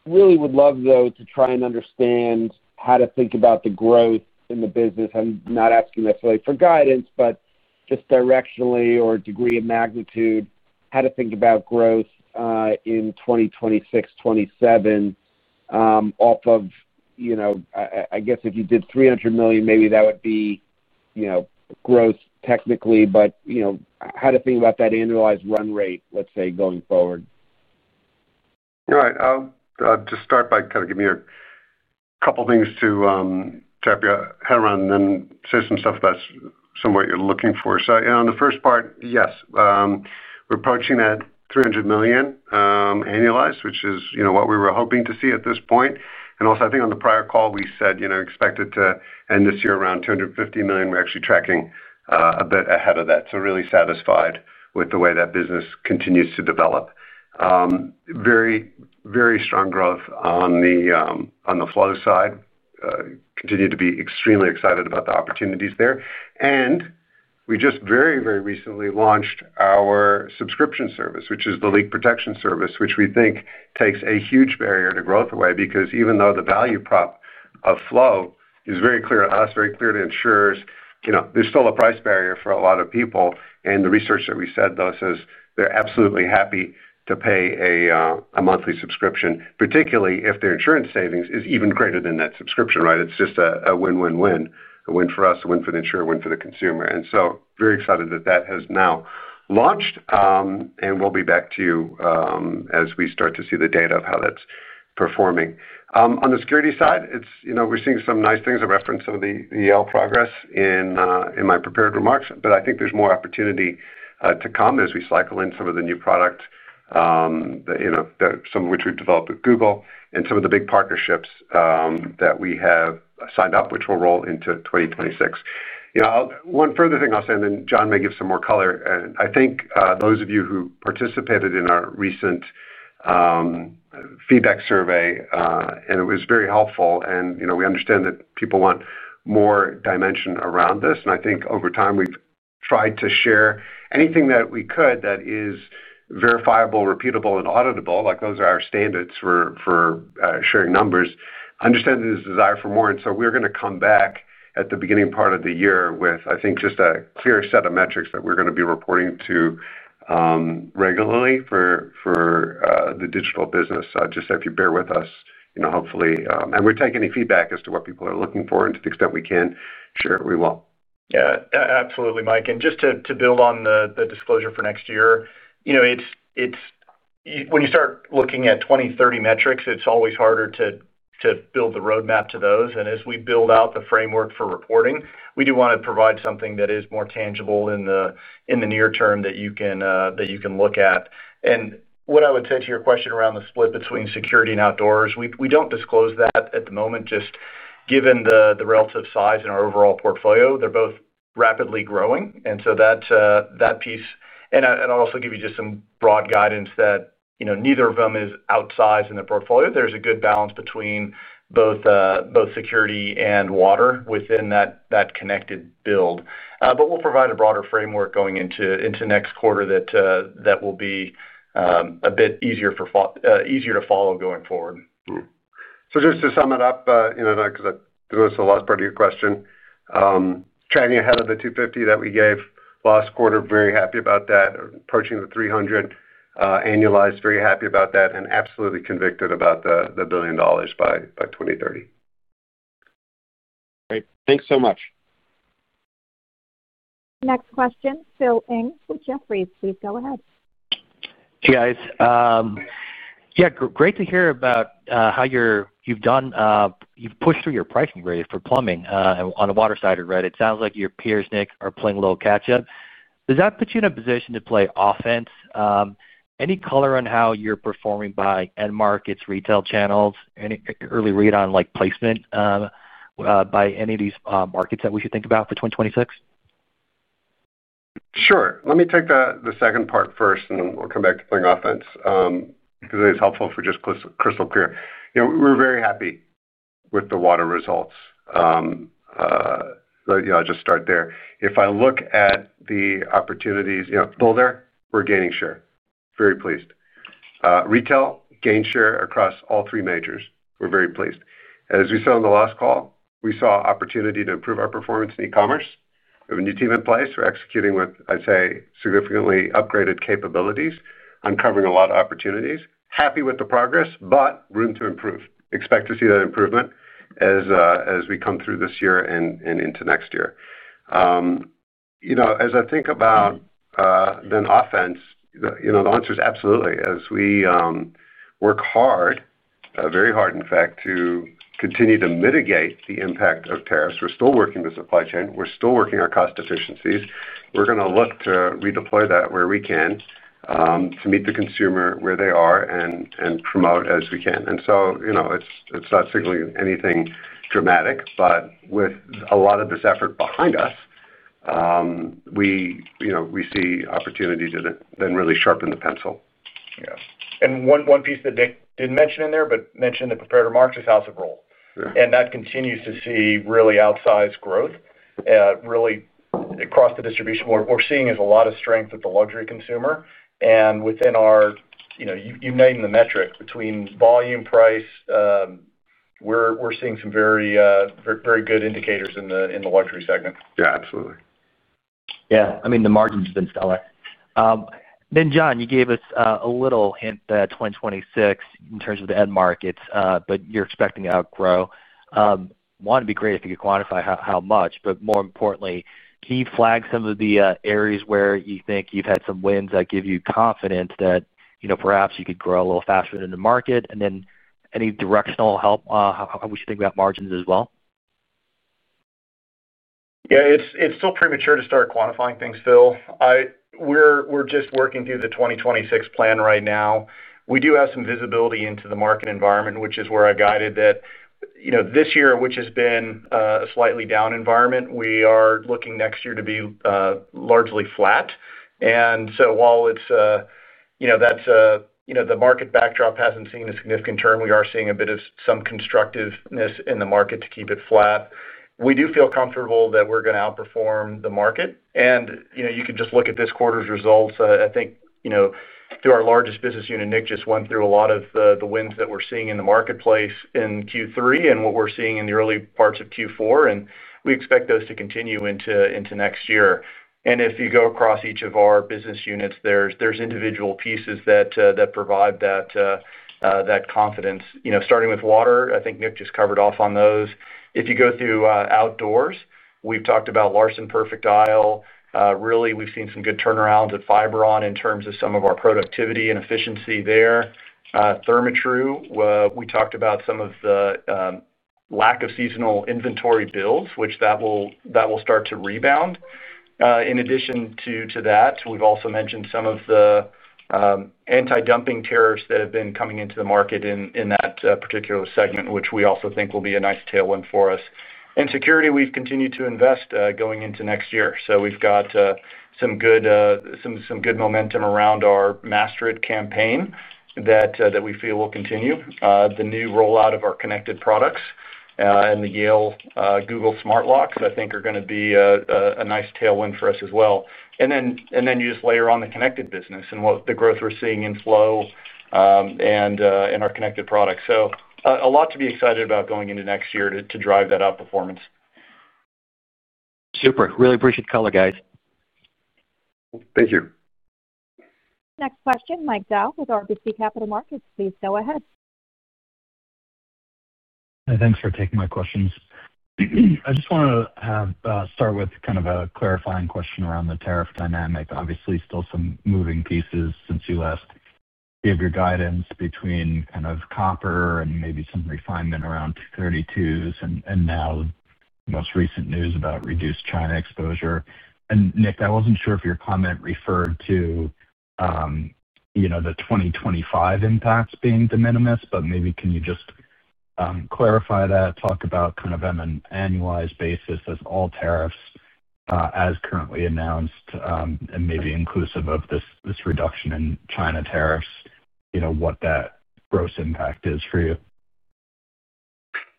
Really would love, though, to try and understand how to think about the growth in the business. I'm not asking necessarily for guidance, but just directionally or degree of magnitude, how to think about growth in 2026, 2027. If you did $300 million, maybe that would be growth technically, but how to think about that annualized run rate, let's say, going forward. I'll just start by kind of giving you a couple of things to wrap your head around and then say some stuff about some of what you're looking for. On the first part, yes, we're approaching that $300 million annualized, which is what we were hoping to see at this point. Also, I think on the prior call, we said we expected to end this year around $250 million. We're actually tracking a bit ahead of that. Really satisfied with the way that business continues to develop. Very, very strong growth on the Flow side. Continue to be extremely excited about the opportunities there. We just very, very recently launched our subscription service, which is the Flow’s leak protection service, which we think takes a huge barrier to growth away because even though the value prop of Flow is very clear to us, very clear to insurers, there's still a price barrier for a lot of people. The research that we said, though, says they're absolutely happy to pay a monthly subscription, particularly if their insurance savings is even greater than that subscription, right? It's just a win-win-win. A win for us, a win for the insurer, a win for the consumer. Very excited that that has now launched. We'll be back to you as we start to see the data of how that's performing. On the security side, we're seeing some nice things. I referenced some of the Yale progress in my prepared remarks, but I think there's more opportunity to come as we cycle in some of the new products, some of which we've developed with Google and some of the big partnerships that we have signed up, which will roll into 2026. One further thing I'll say, and then Jon may give some more color. I think those of you who participated in our recent feedback survey, it was very helpful. We understand that people want more dimension around this. Over time, we've tried to share anything that we could that is verifiable, repeatable, and auditable. Those are our standards for sharing numbers. Understand there's a desire for more. We're going to come back at the beginning part of the year with, I think, just a clear set of metrics that we're going to be reporting to regularly for the digital business. If you bear with us, hopefully, and we're taking any feedback as to what people are looking for, and to the extent we can, share what we want. Yeah. Absolutely, Mike. Just to build on the disclosure for next year, when you start looking at 2030 metrics, it's always harder to build the roadmap to those. As we build out the framework for reporting, we do want to provide something that is more tangible in the near term that you can look at. What I would say to your question around the split between Security and Outdoors, we don't disclose that at the moment. Just given the relative size in our overall portfolio, they're both rapidly growing. That piece, and I'll also give you just some broad guidance that neither of them is outsized in the portfolio. There's a good balance between both security and water within that connected build. We'll provide a broader framework going into next quarter that will be a bit easier to follow going forward. Just to sum it up, because I threw us the last part of your question, tracking ahead of the $250 million that we gave last quarter, very happy about that. Approaching the $300 million annualized, very happy about that, and absolutely convicted about the $1 billion by 2030. Great. Thanks so much. Next question, Phil Ng from Jefferies. Please go ahead. Hey, guys. Yeah. Great to hear about how you've done. You've pushed through your pricing rate for plumbing on the water side of it, right? It sounds like your peers, Nick, are playing low catch-up. Does that put you in a position to play offense? Any color on how you're performing by end markets, retail channels, any early read on placement by any of these markets that we should think about for 2026? Sure. Let me take the second part first, and then we'll come back to playing offense because it's helpful if we're just crystal clear. We're very happy with the water results. I'll just start there. If I look at the opportunities, Boulder, we're gaining share. Very pleased. Retail, gained share across all three majors. We're very pleased. As we saw on the last call, we saw opportunity to improve our performance in e-commerce. We have a new team in place. We're executing with, I'd say, significantly upgraded capabilities. I'm covering a lot of opportunities. Happy with the progress, but room to improve. Expect to see that improvement as we come through this year and into next year. As I think about offense, the answer is absolutely. We work hard, very hard, in fact, to continue to mitigate the impact of tariffs. We're still working the supply chain. We're still working our cost efficiencies. We're going to look to redeploy that where we can to meet the consumer where they are and promote as we can. It's not signaling anything dramatic, but with a lot of this effort behind us, we see opportunity to then really sharpen the pencil. One piece that Nick didn't mention in there, but mentioned in the prepared remarks, is House of Rohl, and that continues to see really outsized growth, really across the distribution. What we're seeing is a lot of strength with the luxury consumer. Within our, you name the metric between volume, price, we're seeing some very good indicators in the luxury segment. Absolutely. The margins have been stellar. Jon, you gave us a little hint that 2026 in terms of the end markets, but you're expecting outgrowth. One, would be great if you could quantify how much, but more importantly, can you flag some of the areas where you think you've had some wins that give you confidence that perhaps you could grow a little faster than the market? Any directional help how we should think about margins as well? It's still premature to start quantifying things, Phil. We're just working through the 2026 plan right now. We do have some visibility into the market environment, which is where I guided that. This year, which has been a slightly down environment, we are looking next year to be largely flat. While the market backdrop hasn't seen a significant turn, we are seeing a bit of some constructiveness in the market to keep it flat. We do feel comfortable that we're going to outperform the market. You can just look at this quarter's results. Through our largest business unit, Nick just went through a lot of the wins that we're seeing in the marketplace in Q3 and what we're seeing in the early parts of Q4. We expect those to continue into next year. If you go across each of our business units, there's individual pieces that provide that confidence. Starting with water, I think Nick just covered off on those. If you go through Outdoors, we've talked about LARSON, perfect isle. We've seen some good turnarounds at Fiberon in terms of some of our productivity and efficiency there. Therma-Tru, we talked about some of the lack of seasonal inventory builds, which will start to rebound. In addition to that, we've also mentioned some of the anti-dumping tariffs that have been coming into the market in that particular segment, which we also think will be a nice tailwind for us. In Security, we've continued to invest going into next year. We've got some good momentum around our Master It campaign that we feel will continue. The new rollout of our connected products and the Yale Google Smart Locks, I think, are going to be a nice tailwind for us as well. You just layer on the connected business and the growth we're seeing in Flow and our connected products. A lot to be excited about going into next year to drive that outperformance. Super. Really appreciate the color, guys. Thank you. Next question, Mike Dahl with RBC Capital Markets. Please go ahead. Thanks for taking my questions. I just want to start with kind of a clarifying question around the tariff dynamic. Obviously, still some moving pieces since you last gave your guidance between kind of copper and maybe some refinement around 232s and now most recent news about reduced China exposure. Nick, I wasn't sure if your comment referred to the 2025 impacts being de minimis, but maybe can you just clarify that, talk about kind of an annualized basis as all tariffs as currently announced and maybe inclusive of this reduction in China tariffs, what that gross impact is for you?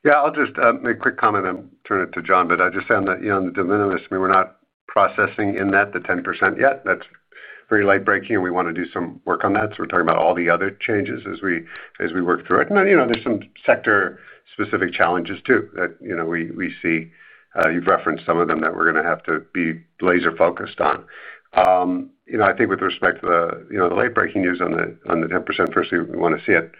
Yeah. I'll just make a quick comment and turn it to Jon, but I just found that on the de minimis, I mean, we're not processing in that the 10% yet. That's very lightbreaking, and we want to do some work on that. We're talking about all the other changes as we work through it. There are some sector-specific challenges too that we see. You've referenced some of them that we're going to have to be laser-focused on. I think with respect to the lightbreaking news on the 10%, first, we want to see it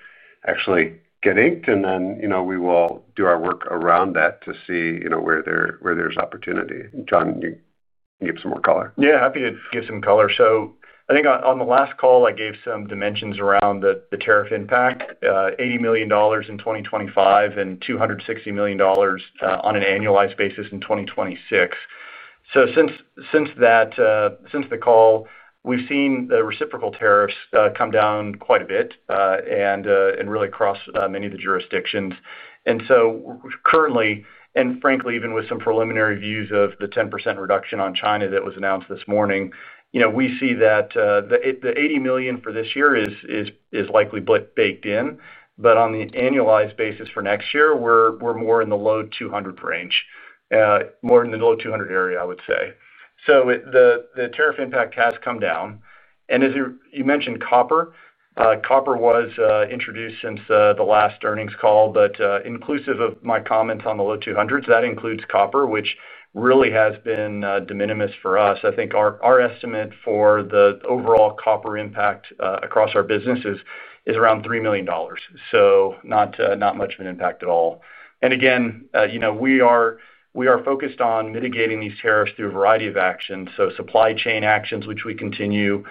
actually get inked, and then we will do our work around that to see where there's opportunity. Jon, can you give some more color? Yeah. Happy to give some color. I think on the last call, I gave some dimensions around the tariff impact: $80 million in 2025 and $260 million on an annualized basis in 2026. Since the call, we've seen the reciprocal tariffs come down quite a bit and really cross many of the jurisdictions. Currently, and frankly, even with some preliminary views of the 10% reduction on China that was announced this morning, we see that the $80 million for this year is likely baked in. On the annualized basis for next year, we're more in the low $200 million range. More in the low $200 million area, I would say. The tariff impact has come down. As you mentioned copper, copper was introduced since the last earnings call, but inclusive of my comments on the low $200 million, that includes copper, which really has been de minimis for us. I think our estimate for the overall copper impact across our business is around $3 million. Not much of an impact at all. Again, we are focused on mitigating these tariffs through a variety of actions. Supply chain actions, which we continue.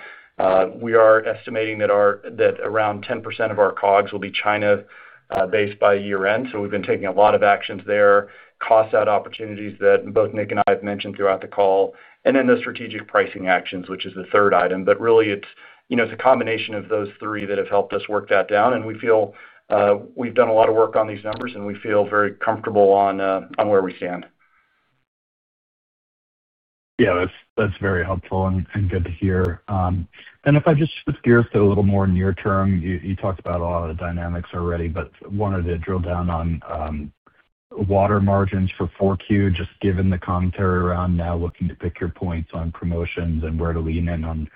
We are estimating that around 10% of our COGS will be China-based by year-end. We've been taking a lot of actions there, cost-out opportunities that both Nick and I have mentioned throughout the call, and then the strategic pricing actions, which is the third item. Really, it's a combination of those three that have helped us work that down. We feel we've done a lot of work on these numbers, and we feel very comfortable on where we stand. Yeah. That's very helpful and good to hear. If I just shift gears to a little more near term, you talked about a lot of the dynamics already, but wanted to drill down on water margins for 4Q, just given the commentary around now looking to pick your points on promotions and where to lean in on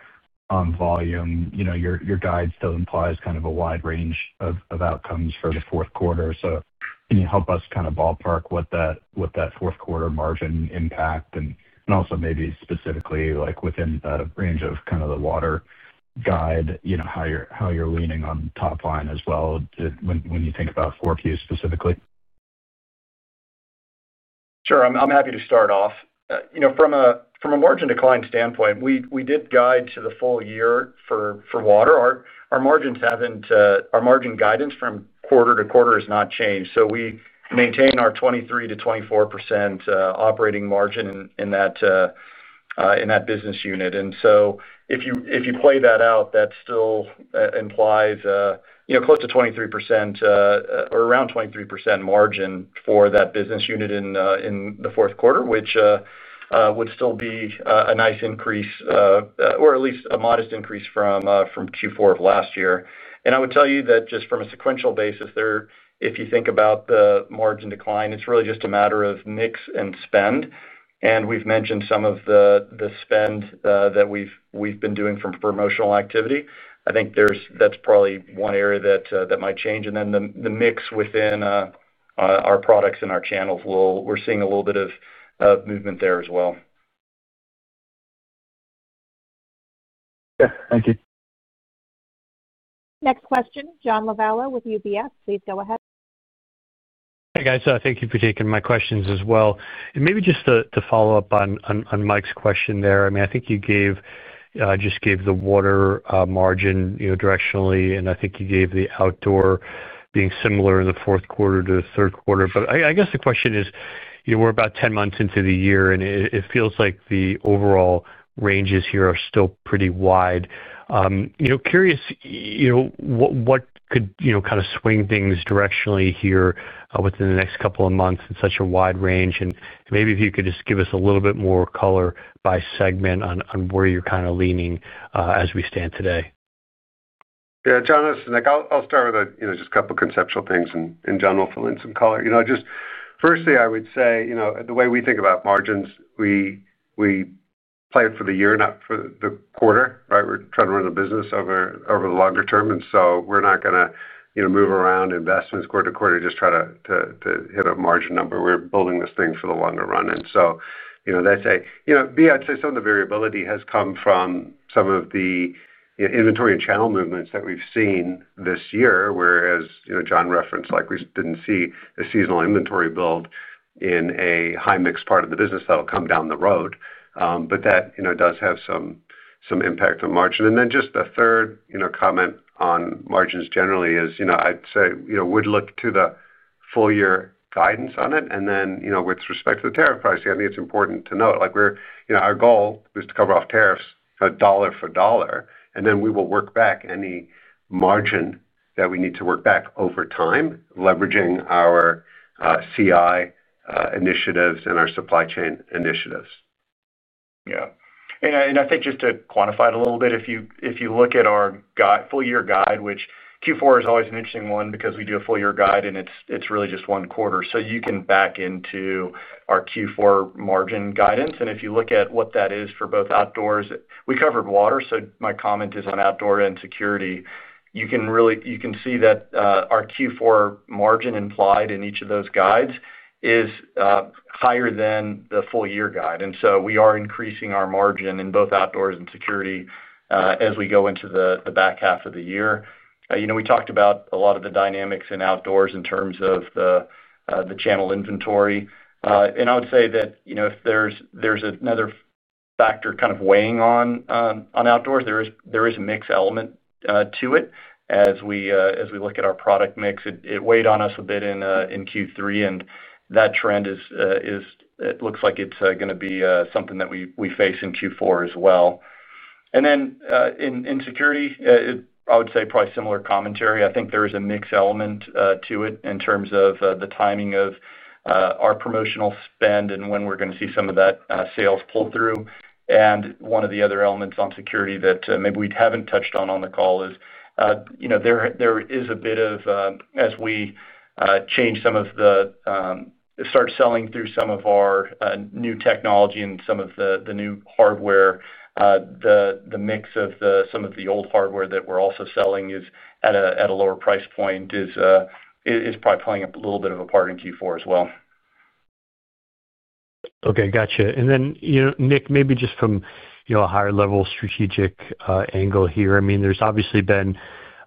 volume. Your guide still implies kind of a wide range of outcomes for the fourth quarter. Can you help us kind of ballpark what that fourth quarter margin impact is and also maybe specifically within the range of the water guide, how you're leaning on top line as well when you think about 4Q specifically? Sure. I'm happy to start off. From a margin decline standpoint, we did guide to the full year for water. Our margin guidance from quarter to quarter has not changed. We maintain our 23%-24% operating margin in that business unit. If you play that out, that still implies close to 23%, or around 23% margin for that business unit in the fourth quarter, which would still be a nice increase, or at least a modest increase from Q4 of last year. I would tell you that just from a sequential basis, if you think about the margin decline, it's really just a matter of mix and spend. We've mentioned some of the spend that we've been doing from promotional activity. I think that's probably one area that might change. The mix within our products and our channels, we're seeing a little bit of movement there as well. Thank you. Next question, John Lovallo with UBS. Please go ahead. Hey, guys. Thank you for taking my questions as well. Maybe just to follow up on Mike's question there, I think you just gave the water margin directionally, and I think you gave the outdoor being similar in the fourth quarter to the third quarter. I guess the question is, we're about 10 months into the year, and it feels like the overall ranges here are still pretty wide. Curious what could kind of swing things directionally here within the next couple of months in such a wide range, and maybe if you could just give us a little bit more color by segment on where you're kind of leaning as we stand today. John, this is Nick. I'll start with just a couple of conceptual things and, in general, fill in some color. Firstly, I would say the way we think about margins, we play it for the year, not for the quarter, right? We're trying to run the business over the longer term. We're not going to move around investments quarter to quarter and just try to hit a margin number. We're building this thing for the longer run. I would say some of the variability has come from some of the Inventory and channel movements that we've seen this year, whereas Jon referenced, like we didn't see a seasonal inventory build in a high mix part of the business that'll come down the road. That does have some impact on margin. The third comment on margins generally is I'd say we'd look to the full-year guidance on it. With respect to the tariff pricing, I think it's important to note our goal was to cover off tariffs dollar for dollar, and then we will work back any margin that we need to work back over time, leveraging our CI initiatives and our supply chain initiatives. I think just to quantify it a little bit, if you look at our full-year guide, which Q4 is always an interesting one because we do a full-year guide, and it's really just one quarter, you can back into our Q4 margin guidance. If you look at what that is for both outdoors—we covered water. My comment is on Outdoor and Security. You can see that our Q4 margin implied in each of those guides is higher than the full-year guide. We are increasing our margin in both Outdoors and Security as we go into the back half of the year. We talked about a lot of the dynamics in Outdoors in terms of the channel inventory. I would say that if there's another factor kind of weighing on Outdoors, there is a mixed element to it. As we look at our product mix, it weighed on us a bit in Q3, and that trend looks like it's going to be something that we face in Q4 as well. In security, I would say probably similar commentary. I think there is a mixed element to it in terms of the timing of our promotional spend and when we're going to see some of that sales pull through. One of the other elements on security that maybe we haven't touched on on the call is there is a bit of, as we change some of the, start selling through some of our new technology and some of the new hardware, the mix of some of the old hardware that we're also selling at a lower price point is probably playing a little bit of a part in Q4 as well. Okay. Gotcha. Nick, maybe just from a higher-level strategic angle here, I mean, there's obviously been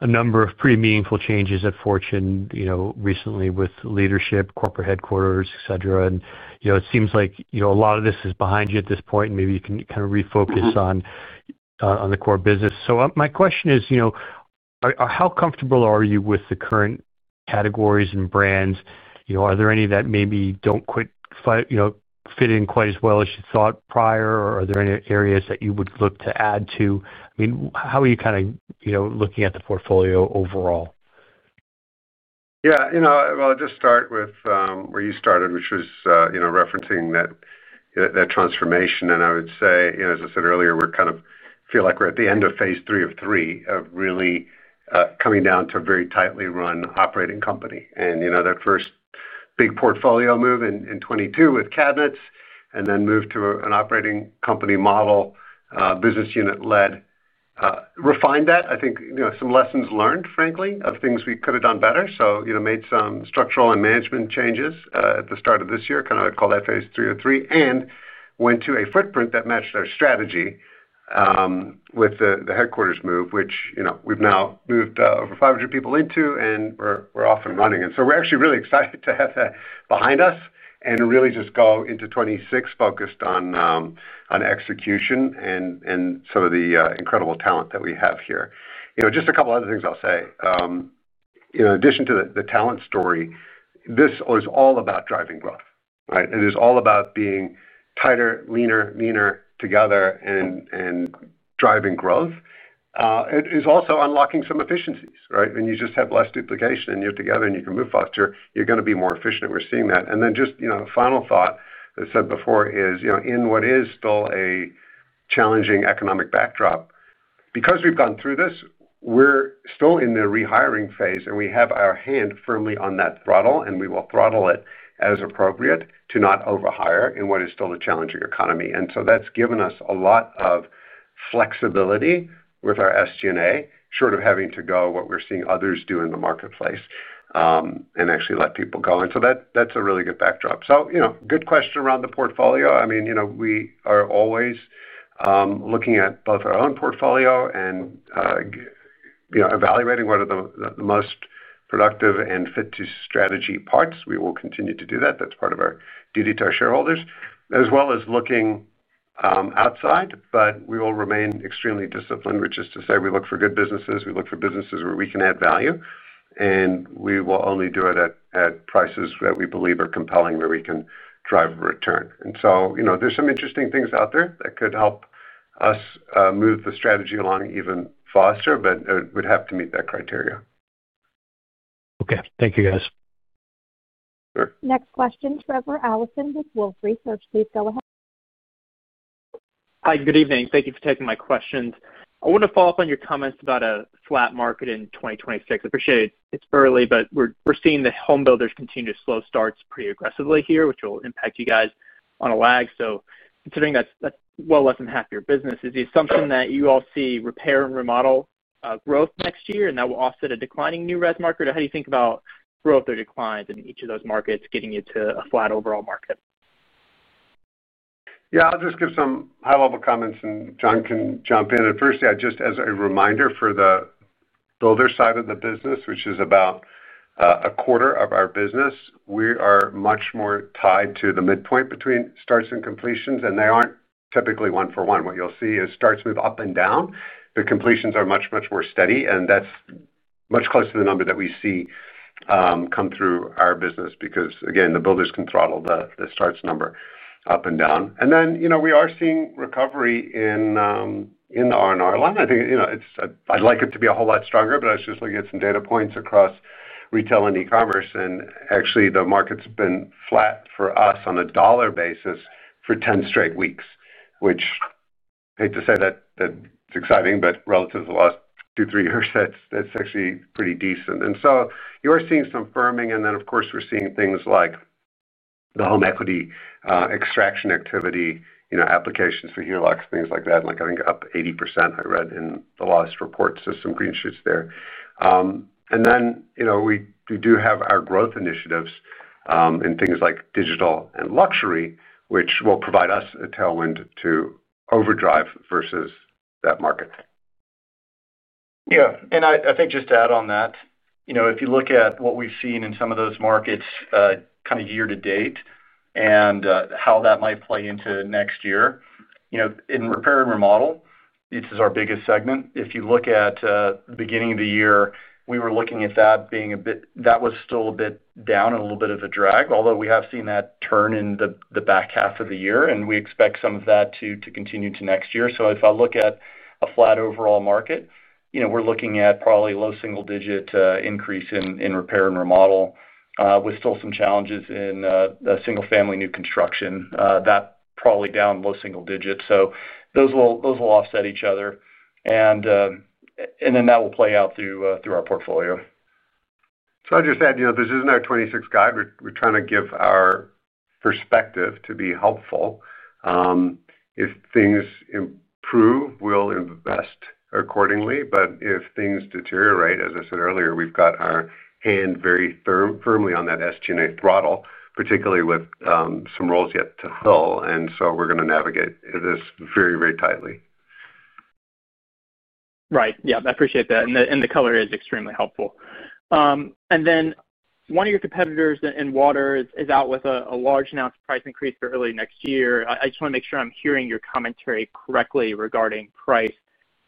a number of pretty meaningful changes at Fortune Brands Innovations recently with leadership, corporate headquarters, etc. It seems like a lot of this is behind you at this point, and maybe you can kind of refocus on the core business. My question is, how comfortable are you with the current categories and brands? Are there any that maybe do not quite fit in quite as well as you thought prior, or are there any areas that you would look to add to? How are you kind of looking at the portfolio overall? I will just start with where you started, which was referencing that transformation. I would say, as I said earlier, we kind of feel like we are at the end of phase three of three of really coming down to a very tightly run operating company. That first big portfolio move in 2022 with cabinets and then moved to an operating company model, business unit-led, refined that. I think some lessons learned, frankly, of things we could have done better. Made some structural and management changes at the start of this year, kind of called that phase three of three, and went to a footprint that matched our strategy with the headquarters move, which we have now moved over 500 people into and we are off and running. We are actually really excited to have that behind us and really just go into 2026 focused on execution and some of the incredible talent that we have here. Just a couple of other things I will say. In addition to the talent story, this was all about driving growth, right? It is all about being tighter, leaner, meaner together and driving growth. It is also unlocking some efficiencies, right? When you just have less duplication and you are together and you can move faster, you are going to be more efficient. We are seeing that. A final thought I said before is in what is still a challenging economic backdrop, because we have gone through this, we are still in the rehiring phase, and we have our hand firmly on that throttle, and we will throttle it as appropriate to not overhire in what is still a challenging economy. That has given us a lot of flexibility with our SG&A, short of having to go what we are seeing others do in the marketplace and actually let people go. That is a really good backdrop. Good question around the portfolio. We are always looking at both our own portfolio and evaluating what are the most productive and fit-to-strategy parts. We will continue to do that. That is part of our duty to our shareholders, as well as looking outside, but we will remain extremely disciplined, which is to say we look for good businesses. We look for businesses where we can add value, and we will only do it at prices that we believe are compelling where we can drive a return. There are some interesting things out there that could help us move the strategy along even faster, but it would have to meet that criteria. Thank you, guys. Next question, Trevor Allinson with Wolfe Research. Please go ahead. Hi. Good evening. Thank you for taking my questions. I want to follow up on your comments about a flat market in 2026. I appreciate it's early, but we're seeing the homebuilders continue to slow starts pretty aggressively here, which will impact you guys on a lag. Considering that's well less than half your business, is the assumption that you all see repair and remodel growth next year, and that will offset a declining new res market? How do you think about growth or declines in each of those markets getting you to a flat overall market? I'll just give some high-level comments, and Jon can jump in. Firstly, just as a reminder for the builder side of the business, which is about a quarter of our business, we are much more tied to the midpoint between starts and completions, and they aren't typically one-for-one. What you'll see is starts move up and down, but completions are much, much more steady. That's much closer to the number that we see come through our business because the builders can throttle the starts number up and down. We are seeing recovery in the R&R line. I'd like it to be a whole lot stronger, but I was just looking at some data points across retail and e-commerce. The market's been flat for us on a dollar basis for 10 straight weeks, which I hate to say that it's exciting, but relative to the last two, three years, that's actually pretty decent. You are seeing some firming. Of course, we're seeing things like the home equity extraction activity, applications for HELOCs, things like that. I think up 80%, I read, in the last report, so some green shoots there. We do have our growth initiatives in things like digital and luxury, which will provide us a tailwind to overdrive versus that market. I think just to add on that, if you look at what we've seen in some of those markets year to date and how that might play into next year, in repair and remodel, this is our biggest segment. If you look at the beginning of the year, we were looking at that being a bit down and a little bit of a drag, although we have seen that turn in the back half of the year. We expect some of that to continue to next year. If I look at a flat overall market, we're looking at probably a low single-digit increase in repair and remodel with still some challenges in single-family new construction. That's probably down low single digits. Those will offset each other. That will play out through our portfolio. I just add, this isn't our 2026 guide. We're trying to give our perspective to be helpful. If things improve, we'll invest accordingly. If things deteriorate, as I said earlier, we've got our hand very firmly on that SG&A throttle, particularly with some roles yet to fill. We're going to navigate this very, very tightly. Right. Yeah. I appreciate that and the color. Extremely Helpful. One of your competitors in water is out with a large announced price increase for early next year. I just want to make sure I'm hearing your commentary correctly regarding price.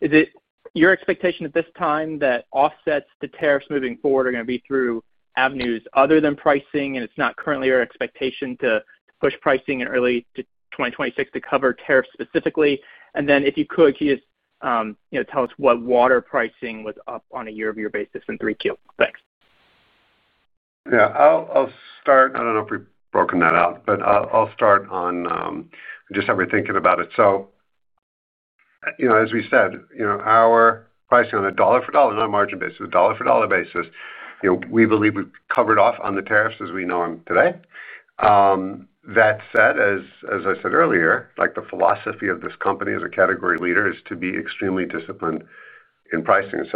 Is it your expectation at this time that offsets to tariffs moving forward are going to be through avenues other than pricing, and it's not currently your expectation to push pricing in early to 2026 to cover tariffs specifically? If you could, could you just tell us what water pricing was up on a year-over-year basis in Q3? Thanks. I'll start. I don't know if we've broken that out, but I'll start on just how we're thinking about it. As we said, our pricing on a dollar-for-dollar, not a margin basis, a dollar-for-dollar basis, we believe we've covered off on the tariffs as we know them today. That said, as I said earlier, the philosophy of this company as a category leader is to be extremely disciplined in pricing.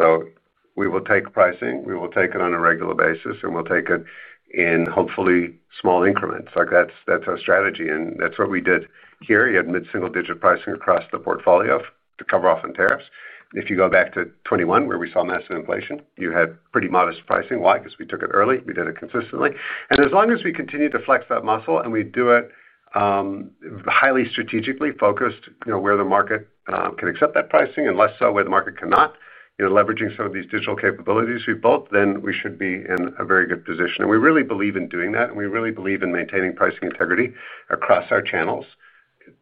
We will take pricing, we will take it on a regular basis, and we'll take it in hopefully small increments. That's our strategy. That's what we did here. You had mid-single-digit pricing across the portfolio to cover off on tariffs. If you go back to 2021, where we saw massive inflation, you had pretty modest pricing. Why? 'Cause we took it early. We did it consistently. As long as we continue to flex that muscle and we do it highly strategically focused, where the market can accept that pricing and less so where the market cannot, leveraging some of these digital capabilities we've built, then we should be in a very good position. We really believe in doing that, and we really believe in maintaining pricing integrity across our channels,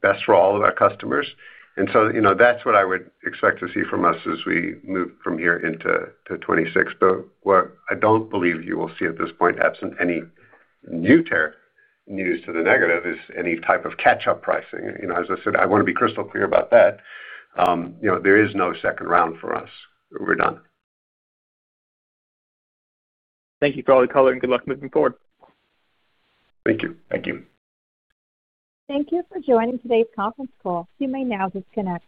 best for all of our customers. That's what I would expect to see from us as we move from here into 2026. What I don't believe you will see at this point, absent any new tariff news to the negative, is any type of catch-up pricing. As I said, I want to be crystal clear about that. There is no second round for us. We're done. Thank you for all the color, and good luck moving forward. Thank you. Thank you. Thank you for joining today's conference call. You may now disconnect.